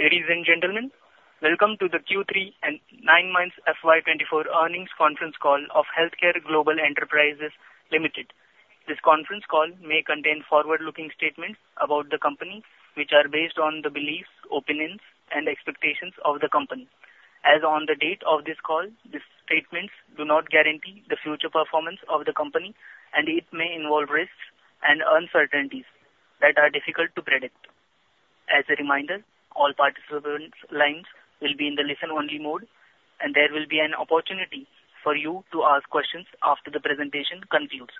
Ladies and gentlemen, welcome to the Q3 and nine months FY 2024 earnings conference call of HealthCare Global Enterprises Limited. This conference call may contain forward-looking statements about the company, which are based on the beliefs, opinions, and expectations of the company. As on the date of this call, these statements do not guarantee the future performance of the company, and it may involve risks and uncertainties that are difficult to predict. As a reminder, all participants' lines will be in the listen-only mode, and there will be an opportunity for you to ask questions after the presentation concludes.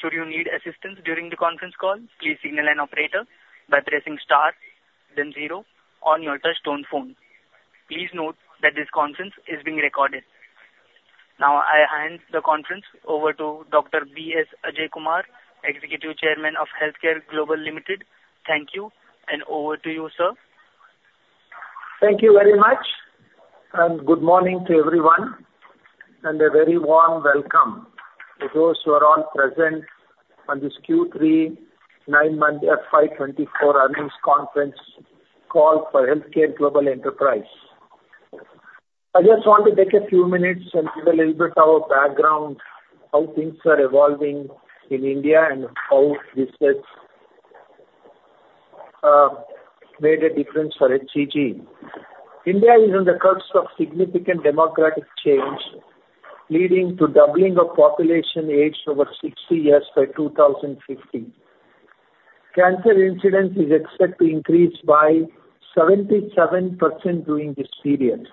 Should you need assistance during the conference call, please signal an operator by pressing star then zero on your touchtone phone. Please note that this conference is being recorded. Now, I hand the conference over to Dr. B.S. Ajaikumar, Executive Chairman of HealthCare Global Enterprises Limited. Thank you, and over to you, sir. Thank you very much, and good morning to everyone, and a very warm welcome to those who are all present on this Q3 nine-month FY 2024 earnings conference call for HealthCare Global Enterprises. I just want to take a few minutes and give a little bit our background, how things are evolving in India and how this has made a difference for HCG. India is on the cusp of significant demographic change, leading to doubling of population aged over 60 years by 2050. Cancer incidence is expected to increase by 77% during this period.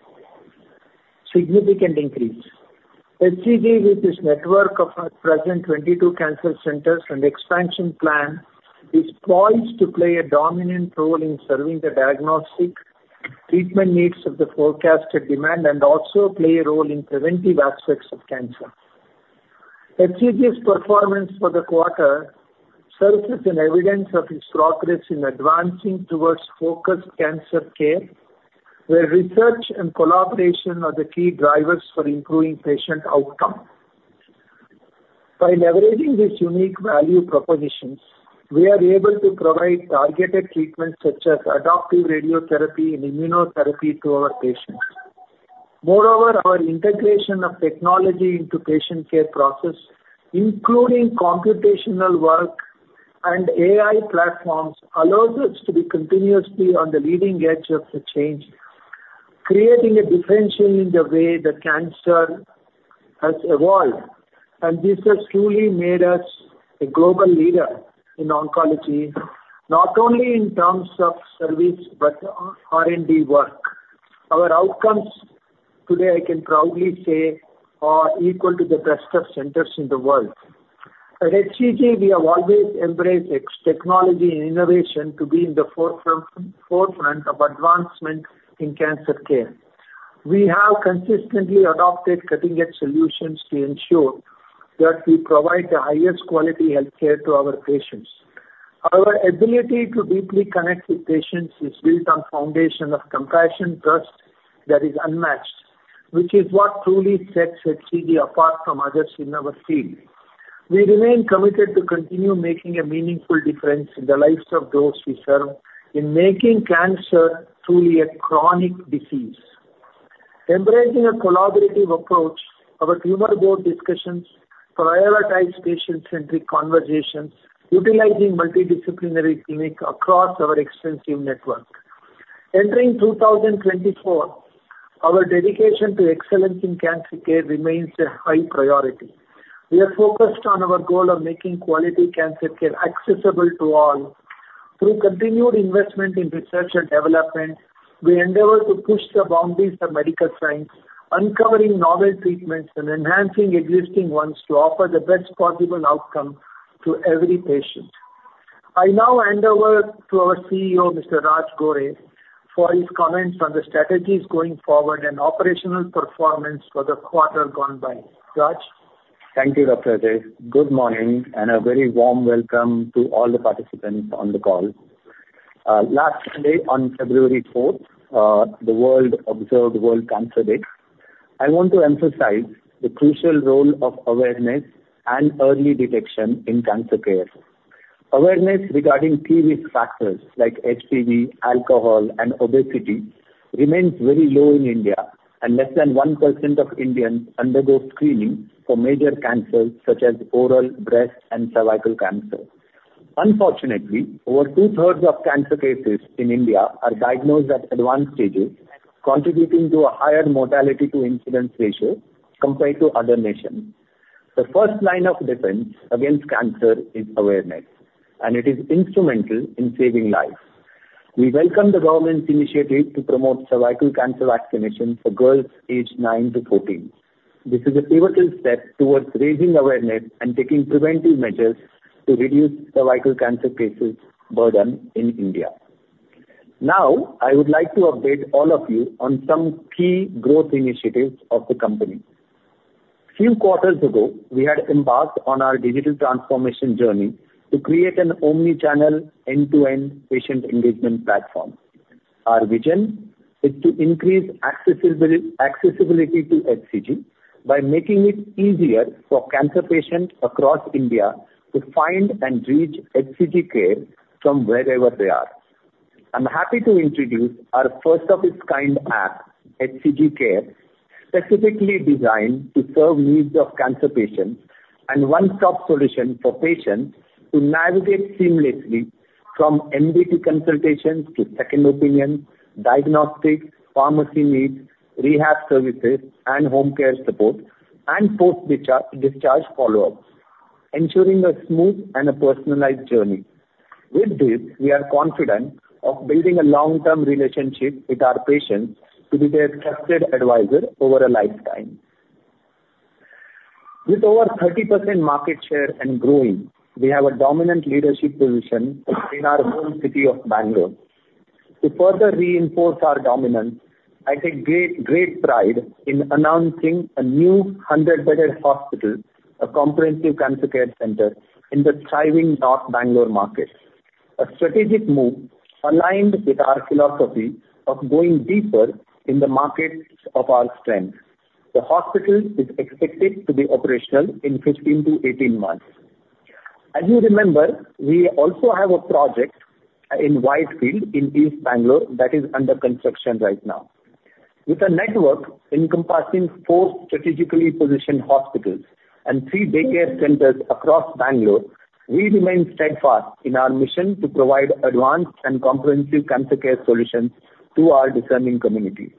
Significant increase. HCG, with its network of our present 22 cancer centers and expansion plan, is poised to play a dominant role in serving the diagnostic treatment needs of the forecasted demand, and also play a role in preventive aspects of cancer. HCG's performance for the quarter serves as an evidence of its progress in advancing towards focused cancer care, where research and collaboration are the key drivers for improving patient outcome. By leveraging this unique value propositions, we are able to provide targeted treatments such as adaptive radiotherapy and immunotherapy to our patients. Moreover, our integration of technology into patient care process, including computational work and AI platforms, allows us to be continuously on the leading edge of the change, creating a differentiating in the way that cancer has evolved. This has truly made us a global leader in oncology, not only in terms of service, but R&D work. Our outcomes today, I can proudly say, are equal to the best of centers in the world. At HCG, we have always embraced technology and innovation to be in the forefront of advancement in cancer care. We have consistently adopted cutting-edge solutions to ensure that we provide the highest quality healthcare to our patients. Our ability to deeply connect with patients is built on foundation of compassion, trust, that is unmatched, which is what truly sets HCG apart from others in our field. We remain committed to continue making a meaningful difference in the lives of those we serve in making cancer truly a chronic disease. Embracing a collaborative approach, our tumor board discussions prioritize patient-centric conversations utilizing multidisciplinary clinic across our extensive network. Entering 2024, our dedication to excellence in cancer care remains a high priority. We are focused on our goal of making quality cancer care accessible to all. Through continued investment in research and development, we endeavor to push the boundaries of medical science, uncovering novel treatments and enhancing existing ones to offer the best possible outcome to every patient. I now hand over to our CEO, Mr. Raj Gore, for his comments on the strategies going forward and operational performance for the quarter gone by. Raj? Thank you, Dr. Ajaikumar. Good morning, and a very warm welcome to all the participants on the call. Last Sunday, on February fourth, the world observed World Cancer Day. I want to emphasize the crucial role of awareness and early detection in cancer care. Awareness regarding key risk factors like HPV, alcohol, and obesity remains very low in India, and less than 1% of Indians undergo screening for major cancers such as oral, breast, and cervical cancer. Unfortunately, over two-thirds of cancer cases in India are diagnosed at advanced stages, contributing to a higher mortality-to-incidence ratio compared to other nations. The first line of defense against cancer is awareness, and it is instrumental in saving lives. We welcome the government's initiative to promote cervical cancer vaccination for girls aged nine to 14. This is a pivotal step towards raising awareness and taking preventive measures to reduce cervical cancer cases burden in India. Now, I would like to update all of you on some key growth initiatives of the company. Few quarters ago, we had embarked on our digital transformation journey to create an omni-channel, end-to-end patient engagement platform. Our vision is to increase accessibility to HCG by making it easier for cancer patients across India to find and reach HCG Care from wherever they are. I'm happy to introduce our first of its kind app, HCG Care, specifically designed to serve needs of cancer patients, and one-stop solution for patients to navigate seamlessly from consultations to second opinion, diagnostics, pharmacy needs, rehab services and home care support, and post-discharge follow-ups, ensuring a smooth and a personalized journey. With this, we are confident of building a long-term relationship with our patients to be their trusted advisor over a lifetime. With over 30% market share and growing, we have a dominant leadership position in our home city of Bangalore. To further reinforce our dominance, I take great, great pride in announcing a new 100-bedded hospital, a comprehensive cancer care center, in the thriving North Bangalore market, a strategic move aligned with our philosophy of going deeper in the markets of our strength. The hospital is expected to be operational in 15-18 months. As you remember, we also have a project in Whitefield, in East Bangalore, that is under construction right now. With a network encompassing four strategically positioned hospitals and three daycare centers across Bangalore, we remain steadfast in our mission to provide advanced and comprehensive cancer care solutions to our discerning community.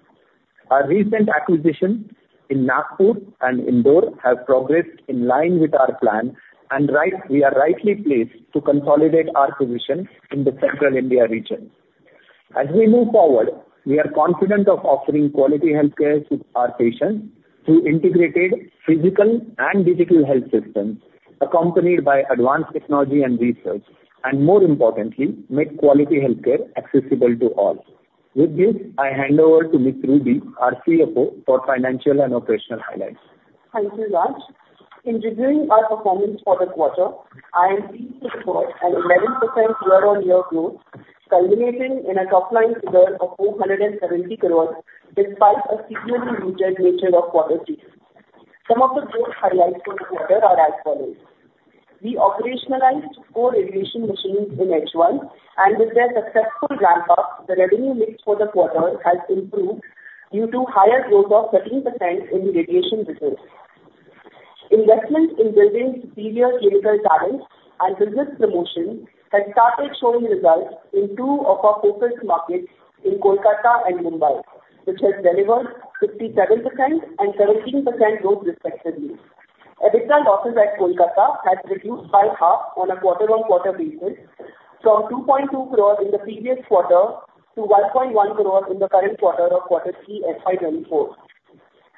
Our recent acquisition in Nagpur and Indore has progressed in line with our plan, and we are rightly placed to consolidate our position in the central India region. As we move forward, we are confident of offering quality healthcare to our patients through integrated physical and digital health systems, accompanied by advanced technology and research, and more importantly, make quality healthcare accessible to all. With this, I hand over to Ms. Ruby, our CFO, for financial and operational highlights. Thank you, Raj. In reviewing our performance for the quarter, I am pleased to report an 11% year-on-year growth, culminating in a top line figure of 470 crores, despite a seasonally muted nature of quarter three. Some of the growth highlights for the quarter are as follows: We operationalized four radiation machines in H1, and with their successful ramp-up, the revenue mix for the quarter has improved due to higher growth of 13% in the radiation business. Investment in building superior clinical talents and business promotion has started showing results in two of our focused markets in Kolkata and Mumbai, which has delivered 57% and 17% growth respectively. Additional offices at Kolkata has reduced by half on a quarter-on-quarter basis, from 2.2 crores in the previous quarter to 1.1 crores in the current quarter of quarter three FY 2024.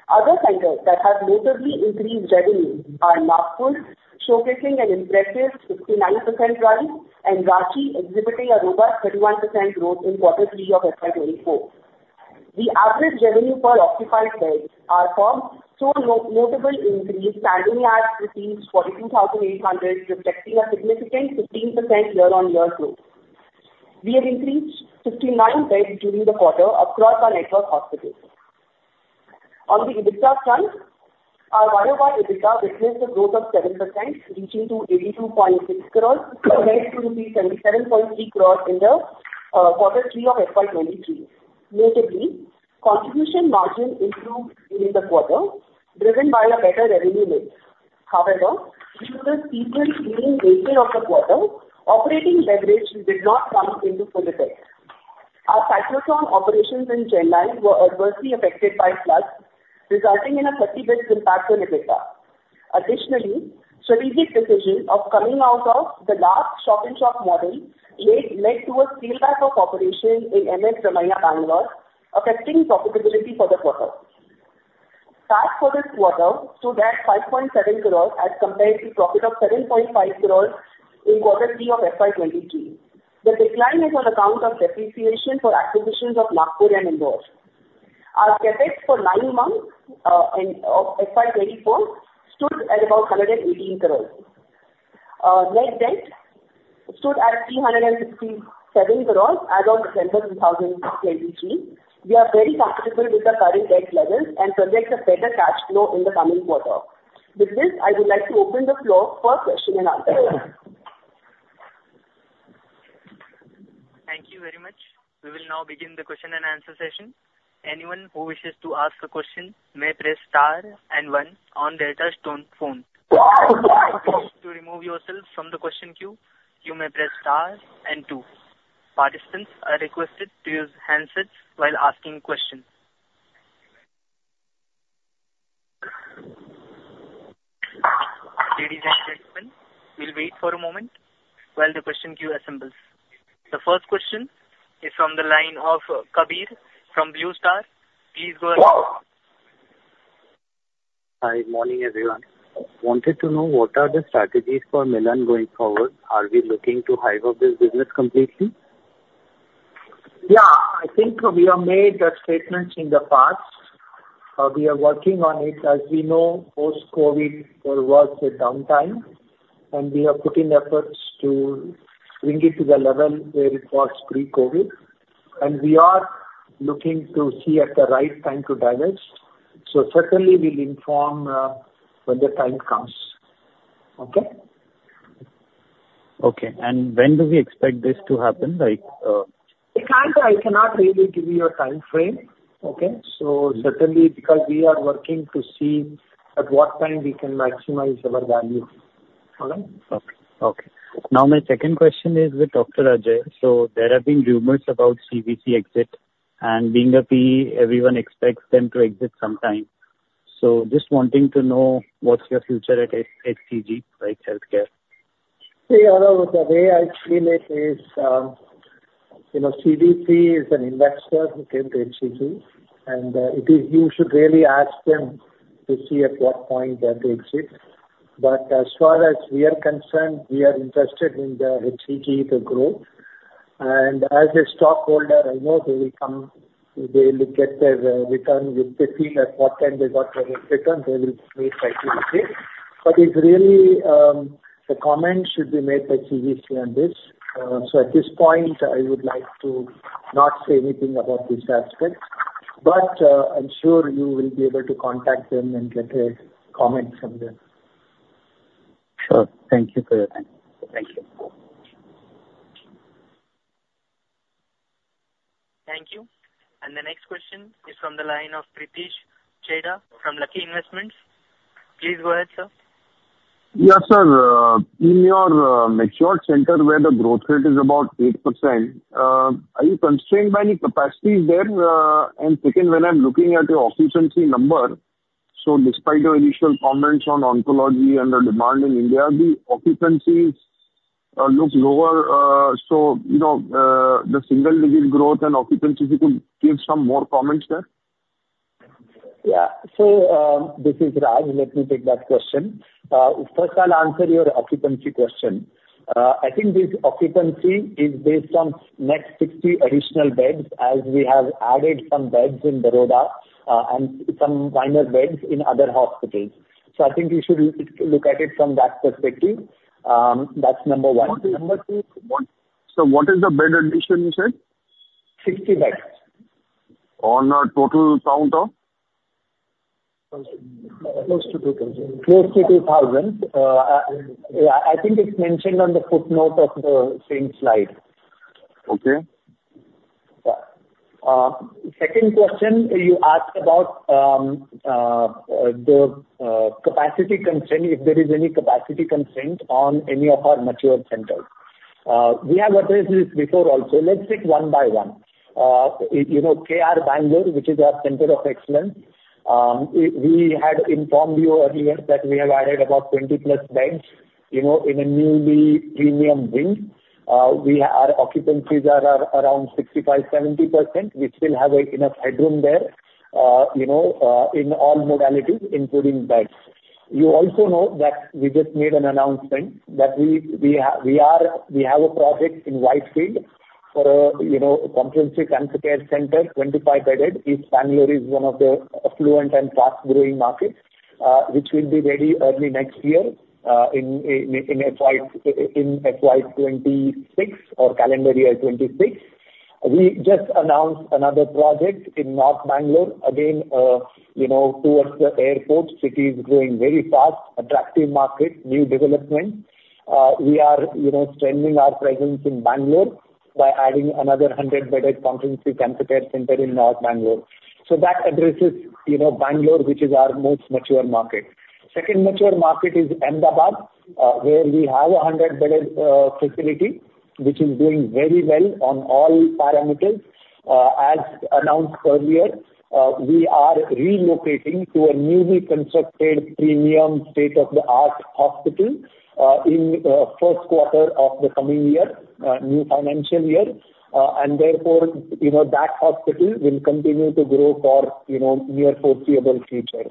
Other centers that have notably increased revenue are Nagpur, showcasing an impressive 59% rise, and Ranchi exhibiting a robust 31% growth in quarter three of FY 2024. The average revenue per occupied beds, RPOB, saw no notable increase, standing at INR 42,800, reflecting a significant 15% year-on-year growth. We have increased 59 beds during the quarter across our network hospitals. On the EBITDA front, our OIBDA EBITDA witnessed a growth of 7%, reaching to 82.6 crore, compared to 77.3 crore rupees in the quarter three of FY 2023. Notably, contribution margin improved during the quarter, driven by a better revenue mix. However, due to the seasonal nature of the quarter, operating leverage did not come into full effect. Our cyclotron operations in Chennai were adversely affected by floods, resulting in a 30-bed impact on EBITDA. Additionally, strategic decision of coming out of the last shop-in-shop model led to a scale back of operations in M.S. Ramaiah Bangalore, affecting profitability for the quarter. Tax for this quarter stood at 5.7 crores, as compared to profit of 7.5 crores in quarter three of FY 2023. The decline is on account of depreciation for acquisitions of Nagpur and Indore. Our CapEx for nine months in FY 2024 stood at about 118 crores. Net debt stood at 367 crores as of December 2023. We are very comfortable with the current debt levels and project a better cash flow in the coming quarter. With this, I would like to open the floor for question and answer. Thank you very much. We will now begin the question and answer session. Anyone who wishes to ask a question may press star and one on their touch tone phone. To remove yourself from the question queue, you may press star and two. Participants are requested to use handsets while asking questions. Ladies and gentlemen, we'll wait for a moment while the question queue assembles. The first question is from the line of Kabir from Blue Star. Please go ahead. Hi, morning, everyone. Wanted to know, what are the strategies for Milann going forward? Are we looking to hive off this business completely? Yeah, I think we have made the statements in the past. We are working on it. As we know, post-COVID, there was a downtime, and we are putting efforts to bring it to the level where it was pre-COVID. We are looking to see at the right time to divest. Certainly we'll inform when the time comes. Okay? Okay. When do we expect this to happen? Like, I can't, I cannot really give you a time frame. Okay? So certainly because we are working to see at what time we can maximize our value. All right? Okay, okay. Now, my second question is with Dr. Ajaikumar. So there have been rumors about CVC exit, and being a PE, everyone expects them to exit sometime. So just wanting to know, what's your future at HCG, like, healthcare? Hey, Arunav, the way I see it is, you know, CVC is an investor who came to HCG, and, it is you should really ask them to see at what point they have to exit. But as far as we are concerned, we are interested in the HCG to grow. And as a stockholder, I know they will come... They will get their, return with 15 at what time they got their return, they will make by QCA. But it really, the comment should be made by CVC on this. So at this point, I would like to not say anything about this aspect, but, I'm sure you will be able to contact them and get a comment from them. Sure. Thank you for your time. Thank you. Thank you. And the next question is from The line of Pritesh Chheda from Lucky Investments. Please go ahead, sir. Yes, sir. In your mature center, where the growth rate is about 8%, are you constrained by any capacities there? And second, when I'm looking at your occupancy number, so despite your initial comments on oncology and the demand in India, the occupancies look lower. So, you know, the single digit growth and occupancy, if you could give some more comments there. Yeah. So, this is Raj. Let me take that question. First, I'll answer your occupancy question. I think this occupancy is based on next 60 additional beds, as we have added some beds in Baroda, and some minor beds in other hospitals. So I think you should look at it from that perspective. That's number one. What- Number two- Sir, what is the bed addition, you said? Sixty beds. On a total count of? Close to 2,000. Close to 2,000. Yeah, I think it's mentioned on the footnote of the same slide. Okay. Second question, you asked about the capacity constraint, if there is any capacity constraint on any of our mature centers. We have addressed this before also. Let's take one by one. You know, KR Bangalore, which is our center of excellence, we had informed you earlier that we have added about 20+ beds, you know, in a newly premium wing. Our occupancies are around 65%-70%. We still have enough headroom there, you know, in all modalities, including beds. You also know that we just made an announcement that we are, we have a project in Whitefield for, you know, comprehensive cancer care center, 25-bedded. East Bangalore is one of the affluent and fast-growing markets, which will be ready early next year, in FY 2026 or calendar year 2026. We just announced another project in North Bangalore. Again, you know, towards the airport. City is growing very fast, attractive market, new development. We are, you know, strengthening our presence in Bangalore by adding another 100-bedded comprehensive cancer care center in North Bangalore. So that addresses, you know, Bangalore, which is our most mature market. Second mature market is Ahmedabad, where we have a 100-bedded facility, which is doing very well on all parameters. As announced earlier, we are relocating to a newly constructed premium state-of-the-art hospital, in first quarter of the coming year, new financial year. And therefore, you know, that hospital will continue to grow for, you know, near foreseeable future.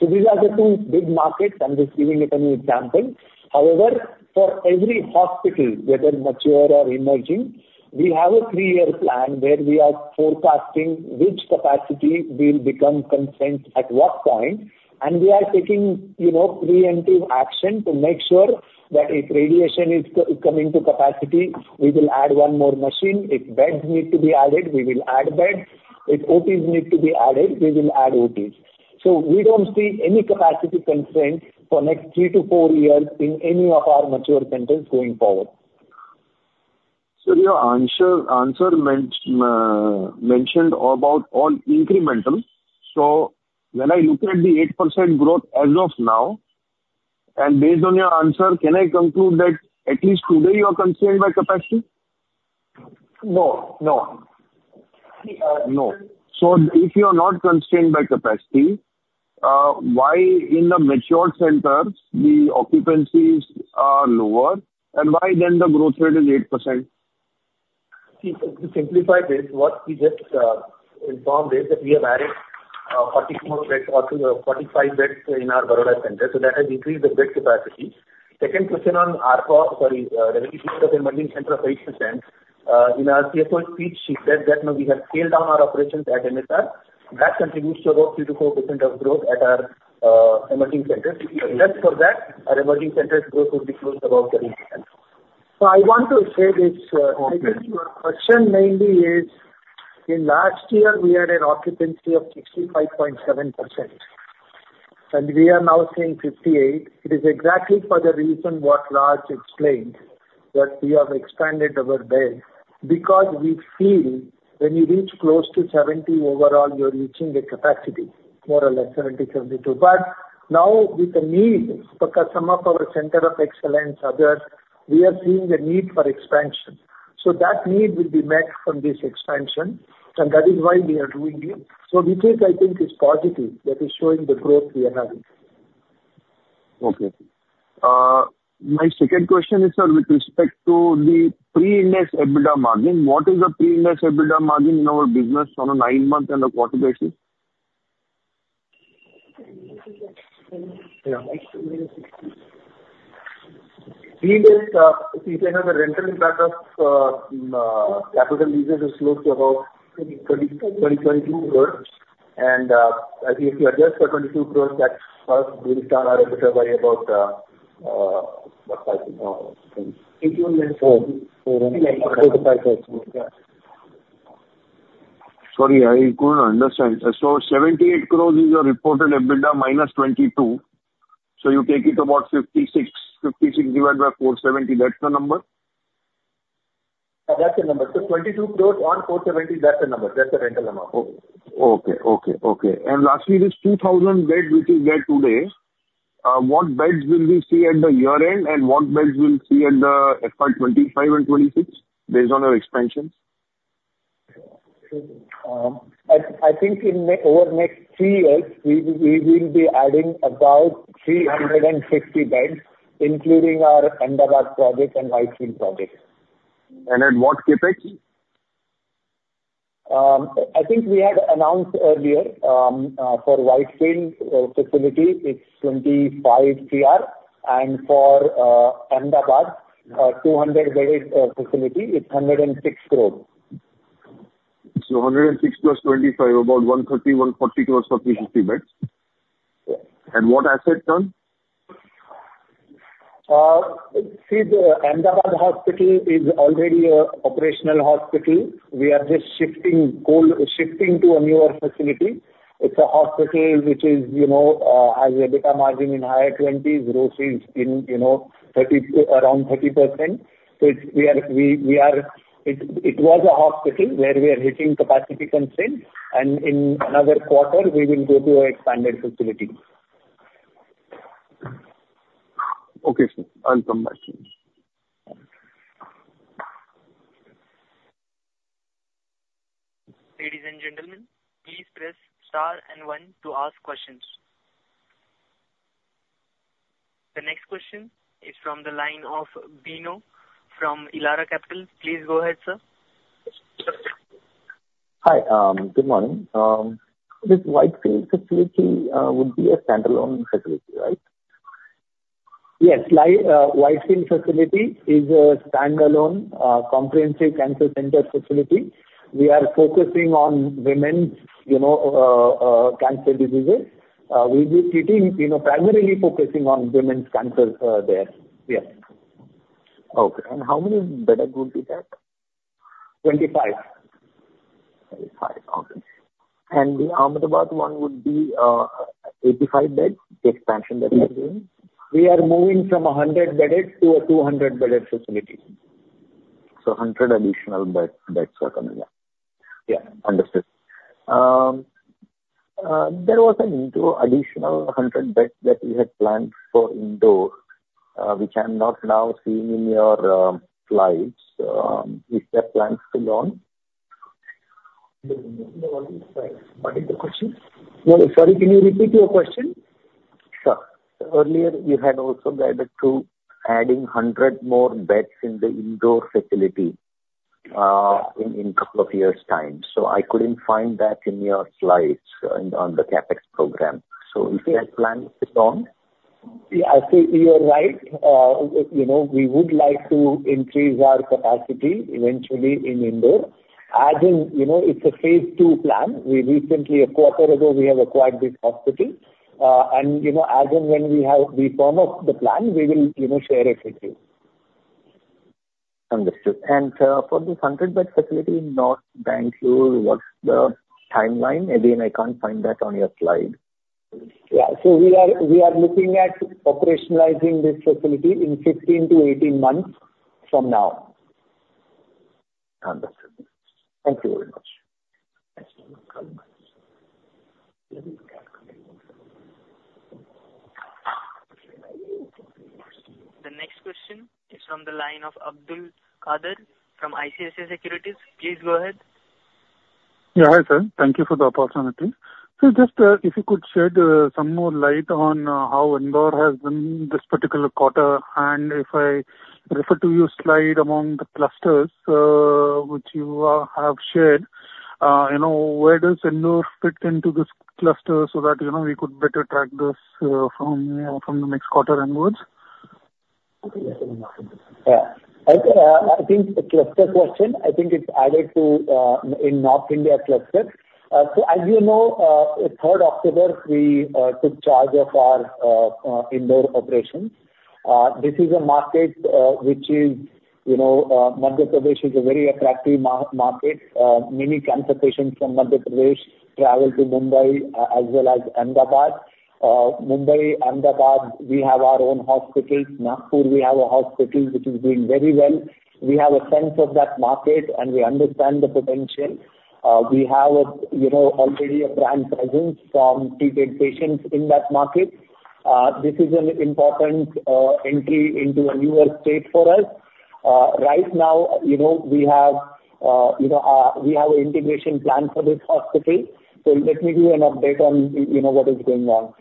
So these are the two big markets. I'm just giving it an example. However, for every hospital, whether mature or emerging, we have a 3-year plan where we are forecasting which capacity will become constrained at what point, and we are taking, you know, preemptive action to make sure that if radiation is coming to capacity, we will add one more machine. If beds need to be added, we will add beds. If OTs need to be added, we will add OTs. So we don't see any capacity constraints for next three-four years in any of our mature centers going forward. So your answer mentioned about all incremental. So when I look at the 8% growth as of now, and based on your answer, can I conclude that at least today you are constrained by capacity? No, no. No. So if you are not constrained by capacity, why in the mature centers, the occupancies are lower, and why then the growth rate is 8%? To simplify this, what we just informed is that we have added 44 beds or 45 beds in our Baroda center, so that has increased the bed capacity. Second question on ARPOB, sorry, in emerging center of 8%. In our CFO speech, she said that now we have scaled down our operations at MSR. That contributes to about 3%-4% of growth at our emerging centers. If you adjust for that, our emerging centers growth would be close to about 30%. So I want to say this- Okay. I think your question mainly is, in last year, we had an occupancy of 65.7%, and we are now saying 58. It is exactly for the reason what Raj explained, that we have expanded our bed. Because we feel when you reach close to 70 overall, you're reaching the capacity, more or less 70, 72. But now with the need, because some of our center of excellence, others, we are seeing the need for expansion. So that need will be met from this expansion, and that is why we are doing it. So this is, I think, is positive, that is showing the growth we are having. Okay. My second question is, sir, with respect to the pre-Ind AS EBITDA margin. What is the pre-Ind AS EBITDA margin in our business on a nine-month and a quarter basis? Yeah. In this, you can have a rental impact of capital leases is close to about 20-22 crore. And, I think if you adjust for INR 22 crore, that's will start our EBITDA by about five-10. Eighteen months. Four. Sorry, I couldn't understand. So 78 crore is your reported EBITDA, minus 22. So you take it about 56. 56 divided by 470, that's the number? That's the number. So 22 crore on 470, that's the number. That's the rental amount. Oh, okay. Okay, okay. And lastly, this 2,000-bed which is there today, what beds will we see at the year-end and what beds we'll see at the FY 2025 and 2026, based on your expansions? I think over the next three years, we will be adding about 350 beds, including our Ahmedabad project and Whitefield project. And at what CapEx? I think we had announced earlier for Whitefield facility, it's 25 crore. And for Ahmedabad, 200-bed facility, it's 106 crore. So 106 + 25, about 130, 140 crores for 350 beds? Yes. And what asset turn? See, the Ahmedabad hospital is already an operational hospital. We are just shifting whole... shifting to a newer facility. It's a hospital which is, you know, has an EBITDA margin in higher twenties, growth is in, you know, around 30%. So it's, we are, we, we are, it, it was a hospital where we are hitting capacity constraints, and in another quarter, we will go to an expanded facility. Okay, sir. I'll come back to you. Ladies and gentlemen, please press star and one to ask questions. The next question is from the line of Bino from Elara Capital. Please go ahead, sir. Hi, good morning. This Whitefield facility would be a standalone facility, right? Yes. Whitefield facility is a standalone, comprehensive cancer center facility. We are focusing on women's, you know, cancer diseases. We'll be treating, you know, primarily focusing on women's cancers, there. Yes. Okay. And how many beds would be there? Twenty-five. 25, okay. The Ahmedabad one would be 85 beds, the expansion that you are doing? We are moving from a 100-bedded to a 200-bedded facility. 100 additional bed, beds are coming up? Yeah. Understood. There was an Indore additional 100 beds that you had planned for Indore, which I'm not now seeing in your slides. Is that planned to go on? What is the question? Yeah, sorry, can you repeat your question? Sure. Earlier, you had also guided to adding 100 more beds in the indoor facility, in couple of years' time. So I couldn't find that in your slides on the CapEx program. So if you have plans to go on? Yeah, I think you are right. You know, we would like to increase our capacity eventually in Indore. As in, you know, it's a phase two plan. We recently, a quarter ago, we have acquired this hospital. And, you know, as and when we have, we firm up the plan, we will, you know, share it with you. Understood. And, for this 100-bed facility in North Bangalore, what's the timeline? Again, I can't find that on your slide. Yeah. We are looking at operationalizing this facility in 15-18 months from now. Understood. Thank you very much. The next question is from the line of Abdul Kader from ICICI Securities. Please go ahead. Yeah. Hi, sir. Thank you for the opportunity. So just, if you could shed some more light on how Indore has been this particular quarter, and if I refer to your slide among the clusters, which you have shared, you know, we could better track this from from the next quarter onwards? Yeah. I think the cluster question, I think it's added to in North India cluster. So as you know, third October, we took charge of our Indore operations. This is a market which is, you know, Madhya Pradesh is a very attractive market. Many cancer patients from Madhya Pradesh travel to Mumbai, as well as Ahmedabad. Mumbai, Ahmedabad, we have our own hospitals. Nagpur, we have a hospital which is doing very well. We have a sense of that market, and we understand the potential. We have, you know, already a brand presence from treated patients in that market. This is an important entry into a newer state for us. Right now, you know, we have, you know, we have an integration plan for this hospital, so let me give you an update on you know, what is going on.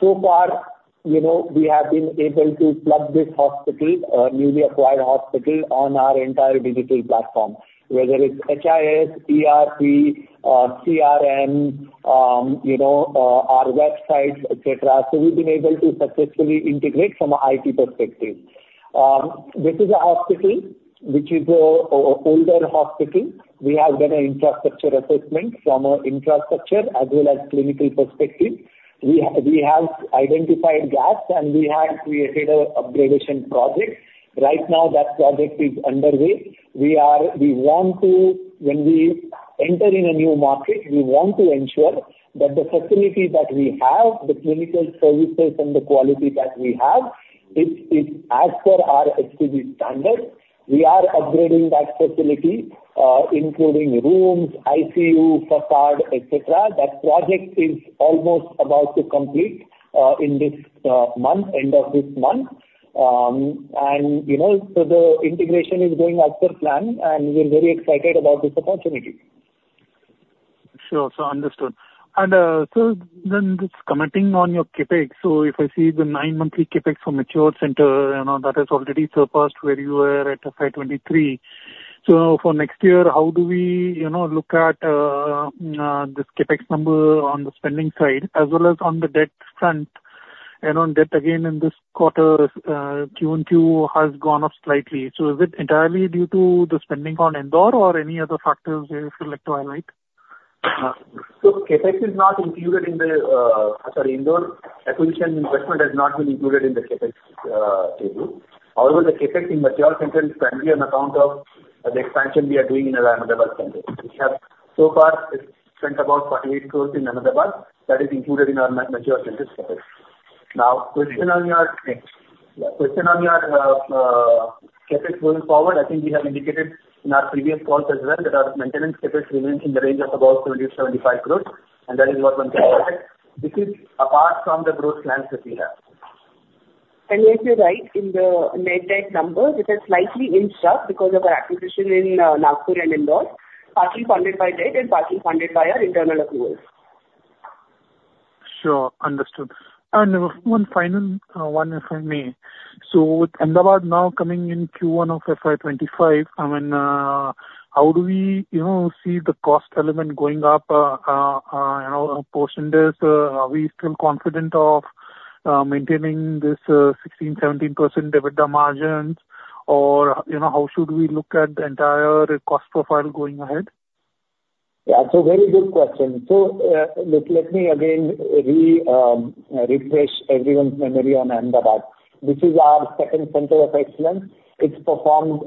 So far, you know, we have been able to plug this hospital, newly acquired hospital, on our entire digital platform, whether it's HIS, ERP, CRM, you know, our websites, et cetera. So we've been able to successfully integrate from an IT perspective. This is a hospital which is, older hospital. We have done an infrastructure assessment from an infrastructure as well as clinical perspective. We have identified gaps, and we have created a upgradation project. Right now, that project is underway. We want to... When we enter in a new market, we want to ensure that the facility that we have, the clinical services and the quality that we have, it's as per our HCG standards. We are upgrading that facility, including rooms, ICU, facade, et cetera. That project is almost about to complete in this month, end of this month. And, you know, so the integration is going as per plan, and we're very excited about this opportunity. Sure. So understood. And, so then just commenting on your CapEx. So if I see the nine-month CapEx from mature center, you know, that has already surpassed where you were at FY 2023. So for next year, how do we, you know, look at this CapEx number on the spending side as well as on the debt front? And on debt, again, in this quarter, Q1, too has gone up slightly. So is it entirely due to the spending on Indore or any other factors you'd like to highlight? So CapEx is not included in the. Sorry, Indore acquisition investment has not been included in the CapEx table. However, the CapEx in mature centers can be on account of the expansion we are doing in Ahmedabad center. We have so far spent about 48 crore in Ahmedabad. That is included in our mature centers CapEx. Now, question on your CapEx going forward, I think we have indicated in our previous calls as well, that our maintenance CapEx remains in the range of about 70-75 crore, and that is what one can expect. This is apart from the growth plans that we have. Yes, you're right. In the net debt number, it has slightly inched up because of our acquisition in Nagpur and Indore, partly funded by debt and partly funded by our internal accruals. Sure. Understood. One final one, if I may. So with Ahmedabad now coming in Q1 of FY 2025, I mean, how do we, you know, see the cost element going up, you know, in percentages? Are we still confident of maintaining this 16%-17% EBITDA margins? Or, you know, how should we look at the entire cost profile going ahead? Yeah. So very good question. So, let me again refresh everyone's memory on Ahmedabad. This is our second center of excellence. It's performed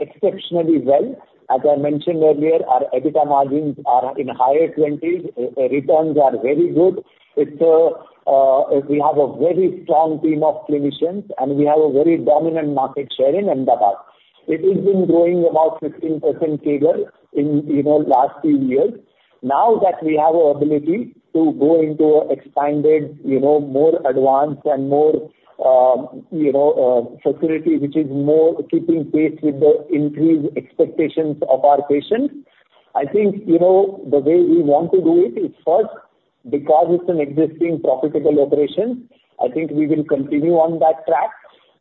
exceptionally well. As I mentioned earlier, our EBITDA margins are in higher twenties. Returns are very good. It's, we have a very strong team of clinicians, and we have a very dominant market share in Ahmedabad. It has been growing about 15% CAGR in, you know, last few years. Now, that we have an ability to go into expanded, you know, more advanced and more, you know, facility, which is more keeping pace with the increased expectations of our patients, I think, you know, the way we want to do it is first, because it's an existing profitable operation, I think we will continue on that track.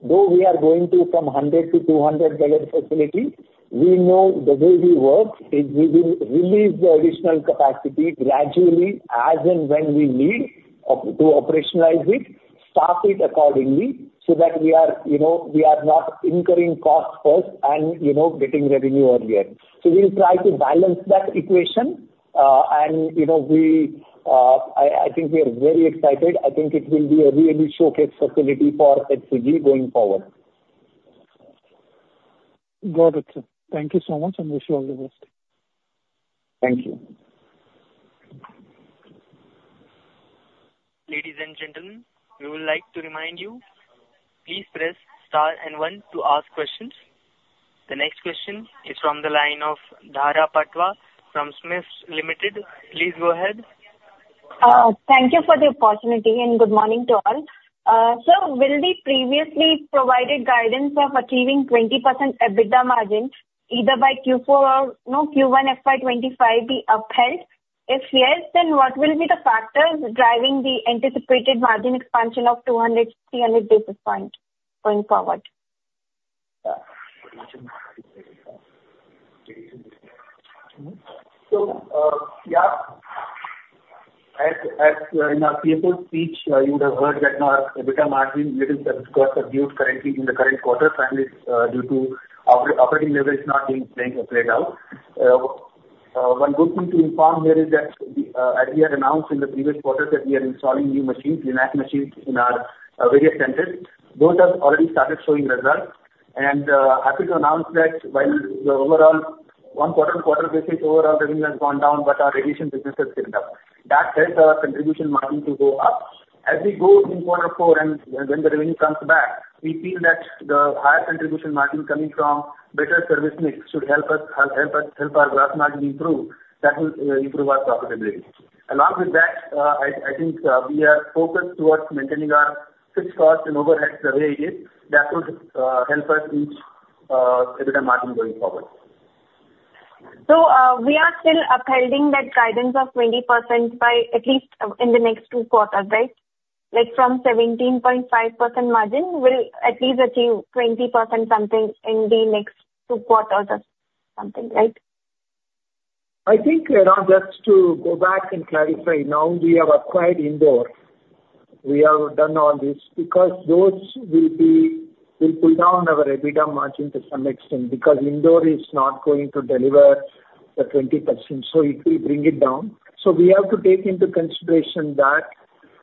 Though we are going from 100 to 200 bed facility, we know the way we work is we will release the additional capacity gradually as and when we need to operationalize it, staff it accordingly, so that we are, you know, we are not incurring costs first and, you know, getting revenue earlier. So we'll try to balance that equation. And, you know, we, I think we are very excited. I think it will be a really showcase facility for HCG going forward. Got it, sir. Thank you so much, and wish you all the best. Thank you. Ladies and gentlemen, we would like to remind you, please press star and one to ask questions. The next question is from the line of Dhara Patwa from SMIFS Limited. Please go ahead. Thank you for the opportunity, and good morning to all. So will the previously provided guidance of achieving 20% EBITDA margin, either by Q4 or, you know, Q1 FY 2025 be upheld? If yes, then what will be the factors driving the anticipated margin expansion of 200-300 basis points going forward? So, yeah. As in our CFO speech, you would have heard that our EBITDA margin is, of course, subdued currently in the current quarter, primarily due to operating leverage not being played out. One good thing to inform here is that, as we had announced in the previous quarter, that we are installing new machines, LINAC machines, in our various centers. Those have already started showing results. And happy to announce that while the overall one quarter, quarter basis overall revenue has gone down, but our radiation business has gone up. That helps our contribution margin to go up. As we go in quarter four and when the revenue comes back, we feel that the higher contribution margin coming from better service mix should help us help our gross margin improve. That will improve our profitability. Along with that, I think we are focused towards maintaining our fixed cost and overheads the way it is. That would help us reach EBITDA margin going forward. we are still upholding that guidance of 20% by at least, in the next two quarters, right? Like, from 17.5% margin, we'll at least achieve 20% something in the next two quarters or something, right? I think, Ronak, just to go back and clarify, now we have acquired Indore. We have done all this because those will be, will pull down our EBITDA margin to some extent, because Indore is not going to deliver the 20%, so it will bring it down. So we have to take into consideration that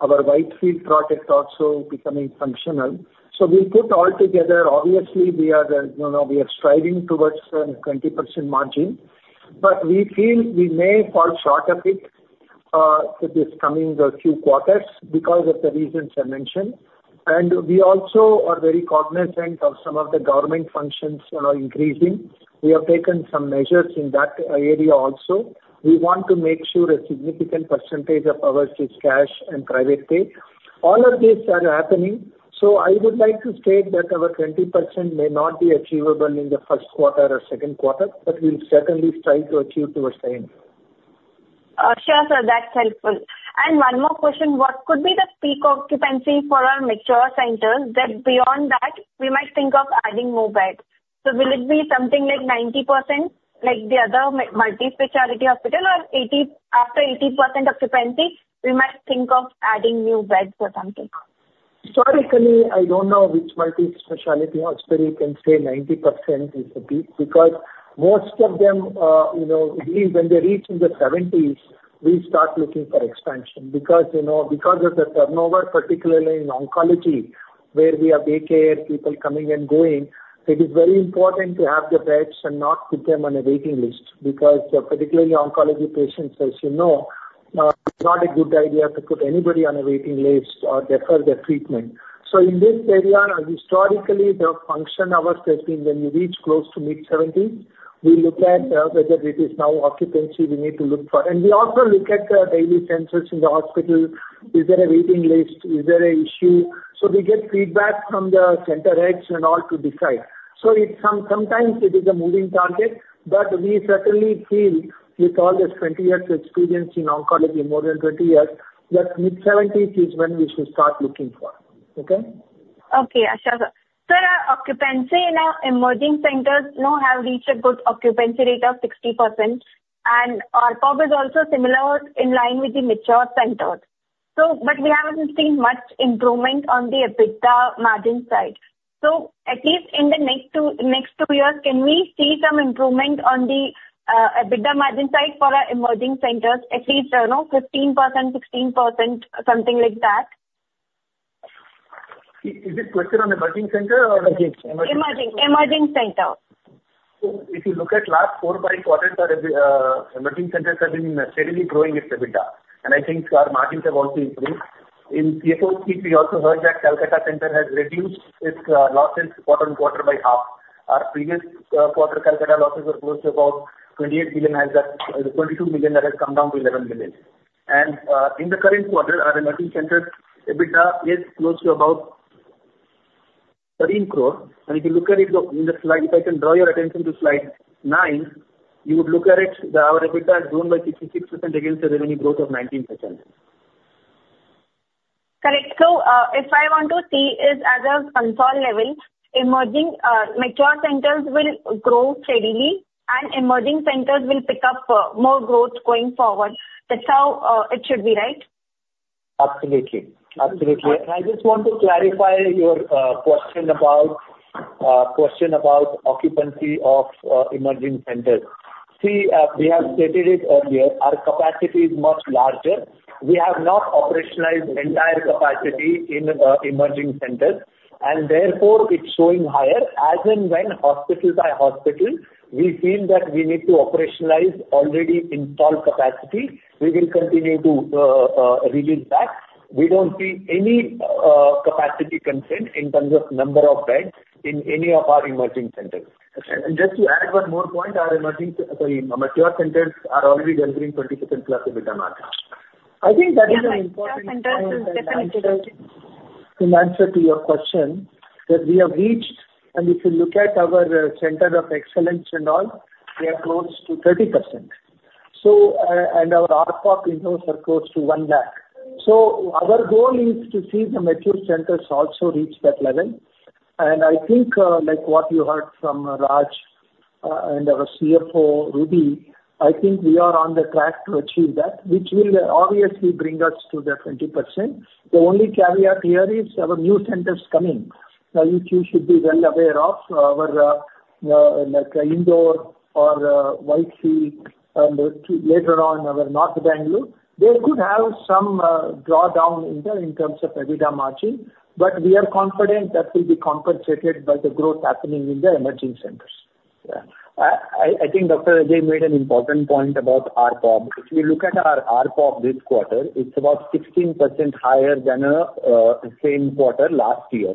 our Whitefield project also becoming functional. So we put all together, obviously we are the, you know, we are striving towards 20% margin, but we feel we may fall short of it to this coming few quarters because of the reasons I mentioned. And we also are very cognizant of some of the government functions, you know, increasing. We have taken some measures in that area also. We want to make sure a significant percentage of our is cash and private pay. All of these are happening, so I would like to state that our 20% may not be achievable in the first quarter or second quarter, but we'll certainly strive to achieve towards the end. Sure, sir, that's helpful. One more question: What could be the peak occupancy for our mature centers, that beyond that, we might think of adding more beds? So will it be something like 90%, like the other multispecialty hospital, or 80%, after 80% occupancy, we might think of adding new beds or something? Historically, I don't know which multispecialty hospital you can say 90% is the peak, because most of them, you know, we, when they reach in the 70s, we start looking for expansion. Because, you know, because of the turnover, particularly in oncology, where we have day care, people coming and going, it is very important to have the beds and not put them on a waiting list. Because, particularly oncology patients, as you know, it's not a good idea to put anybody on a waiting list or defer their treatment. So in this area, historically, the function of our testing, when you reach close to mid-70s, we look at, whether it is now occupancy we need to look for. And we also look at the daily census in the hospital. Is there a waiting list? Is there an issue? So we get feedback from the center heads and all to decide. So it's sometimes it is a moving target, but we certainly feel with all this 20 years experience in oncology, more than 20 years, that mid-70s is when we should start looking for, okay? Okay, sure, sir. Sir, our occupancy in our emerging centers now have reached a good occupancy rate of 60%, and ARPOB is also similar in line with the mature centers. So, but we haven't seen much improvement on the EBITDA margin side. So at least in the next two, next two years, can we see some improvement on the EBITDA margin side for our emerging centers, at least, you know, 15%, 16%, something like that? Is this question on emerging centers or again? Emerging. Emerging centers. So if you look at last four, five quarters, our emerging centers have been steadily growing its EBITDA, and I think our margins have also improved. In CFO speech, we also heard that Kolkata center has reduced its losses quarter-on-quarter by half. Our previous quarter Kolkata losses were close to about 28 million, 22 million, that has come down to 11 million. And in the current quarter, our emerging centers EBITDA is close to about 13 crore. And if you look at it in the slide, if I can draw your attention to slide nine, you would look at it, our EBITDA has grown by 66% against the revenue growth of 19%. Correct. So, if I want to see it at a console level, emerging, mature centers will grow steadily and emerging centers will pick up, more growth going forward. That's how, it should be, right? Absolutely. Absolutely. And I just want to clarify your question about occupancy of emerging centers. See, we have stated it earlier, our capacity is much larger. We have not operationalized entire capacity in emerging centers, and therefore, it's showing higher. As and when hospital by hospital, we feel that we need to operationalize already installed capacity, we will continue to release that. We don't see any capacity constraints in terms of number of beds in any of our emerging centers. And just to add one more point, our emerging, sorry, mature centers are already delivering 20%+ EBITDA margin. I think that is an important- Yeah, mature centers is definitely- In answer to your question, that we have reached, and if you look at our center of excellence and all, we are close to 30%. So, and our ARPOB incomes are close to 1 lakh. So our goal is to see the mature centers also reach that level. And I think, like what you heard from Raj, and our CFO, Ruby, I think we are on the track to achieve that, which will obviously bring us to the 20%. The only caveat here is our new centers coming, which you should be well aware of. Our, like, Indore or, Whitefield, and later on our North Bangalore. They could have some drawdown in terms of EBITDA margin, but we are confident that will be compensated by the growth happening in the emerging centers. Yeah. I think Dr. Ajay made an important point about ARPOB. If you look at our ARPOB this quarter, it's about 16% higher than the same quarter last year.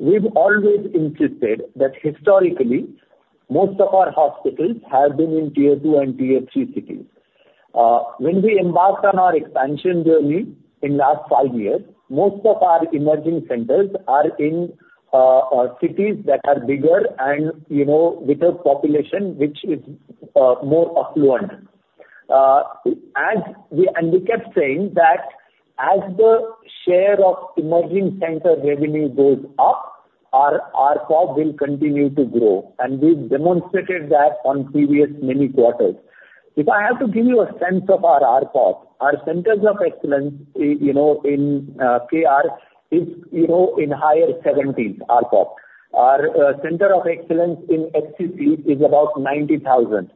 We've always insisted that historically, most of our hospitals have been in Tier Two and Tier Three cities. When we embarked on our expansion journey in last five years, most of our emerging centers are in cities that are bigger and, you know, with a population which is more affluent. As we and we kept saying that as the share of emerging center revenue goes up, our ARPOB will continue to grow, and we've demonstrated that on previous many quarters. If I have to give you a sense of our ARPOB, our centers of excellence you know in KR is you know in higher seventies ARPOB. Our center of excellence in HCG is about 90,000.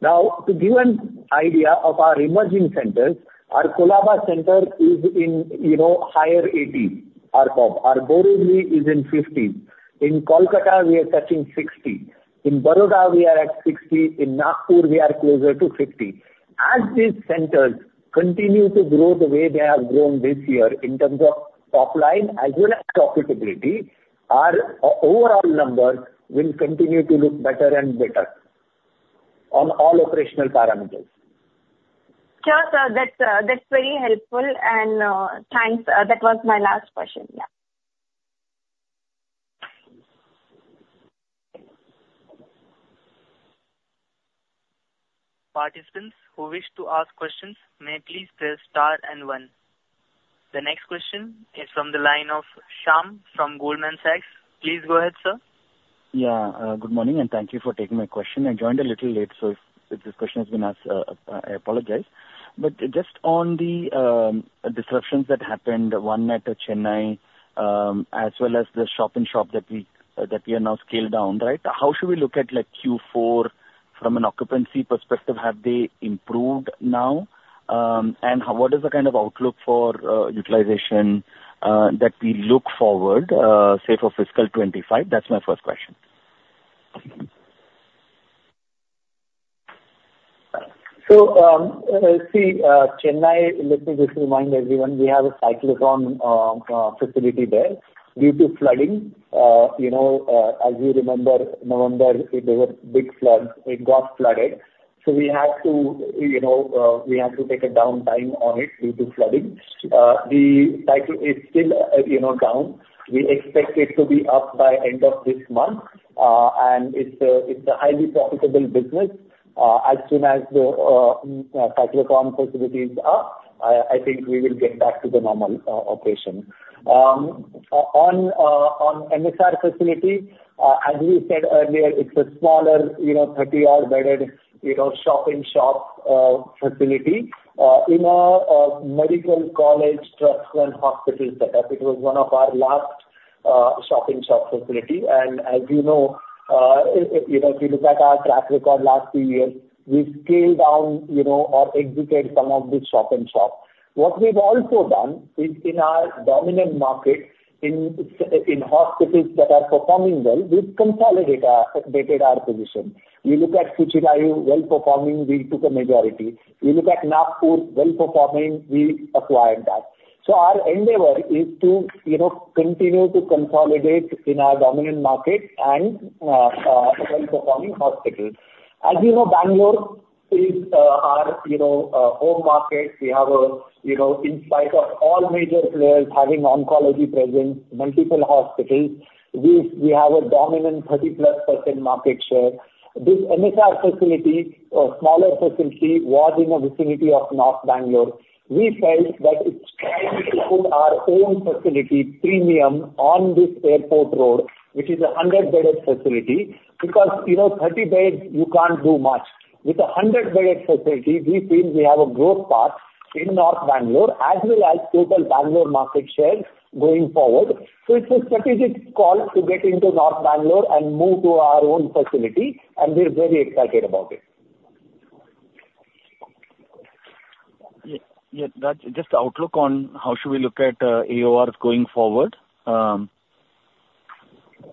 Now, to give an idea of our emerging centers, our Colaba center is in, you know, higher 80 ARPOB. Our Borivali is in 50. In Kolkata, we are touching 60. In Baroda, we are at 60. In Nagpur, we are closer to 50. As these centers continue to grow the way they have grown this year in terms of top line as well as profitability, our overall numbers will continue to look better and better on all operational parameters. Sure, sir, that's very helpful. Thanks. That was my last question. Yeah. Participants who wish to ask questions may please press star and one. The next question is from the line of Shyam from Goldman Sachs. Please go ahead, sir. Yeah, good morning, and thank you for taking my question. I joined a little late, so if this question has been asked, I apologize. But just on the disruptions that happened, one at Chennai, as well as the shop-in-shop that we have now scaled down, right? How should we look at, like, Q4 from an occupancy perspective? Have they improved now? And what is the kind of outlook for utilization that we look forward, say, for fiscal 2025? That's my first question. So, see, Chennai, let me just remind everyone, we have a Cyclotron facility there. Due to flooding, you know, as you remember, November, it was a big flood. It got flooded, so we had to, you know, we had to take a downtime on it due to flooding. The Cyclotron is still, you know, down. We expect it to be up by end of this month. And it's a, it's a highly profitable business. As soon as the Cyclotron facility is up, I think we will get back to the normal operation. On MSR facility, as we said earlier, it's a smaller, you know, 30-odd bedded, you know, shop-in-shop facility, in a medical college trust-run hospital setup. It was one of our last shop-in-shop facility. As you know, you know, if you look at our track record last few years, we've scaled down, you know, or exited some of the shop-in-shop. What we've also done is in our dominant market, in hospitals that are performing well, we've consolidated dated our position. We look at Cuttack, well-performing, we took a majority. We look at Nagpur, well-performing, we acquired that. So our endeavor is to, you know, continue to consolidate in our dominant market and well-performing hospitals. As you know, Bangalore is our, you know, home market. We have a, you know, in spite of all major players having oncology presence, multiple hospitals, we have a dominant 30%+ market share. This MSR facility, a smaller facility, was in the vicinity of North Bangalore. We felt that it's time to put our own facility premium on this airport road, which is a 100-bedded facility, because, you know, 30 beds, you can't do much. With a 100-bedded facility, we feel we have a growth path in North Bangalore, as well as total Bangalore market share going forward. So it's a strategic call to get into North Bangalore and move to our own facility, and we're very excited about it. Yeah. Yeah. Just outlook on how should we look at AOR going forward?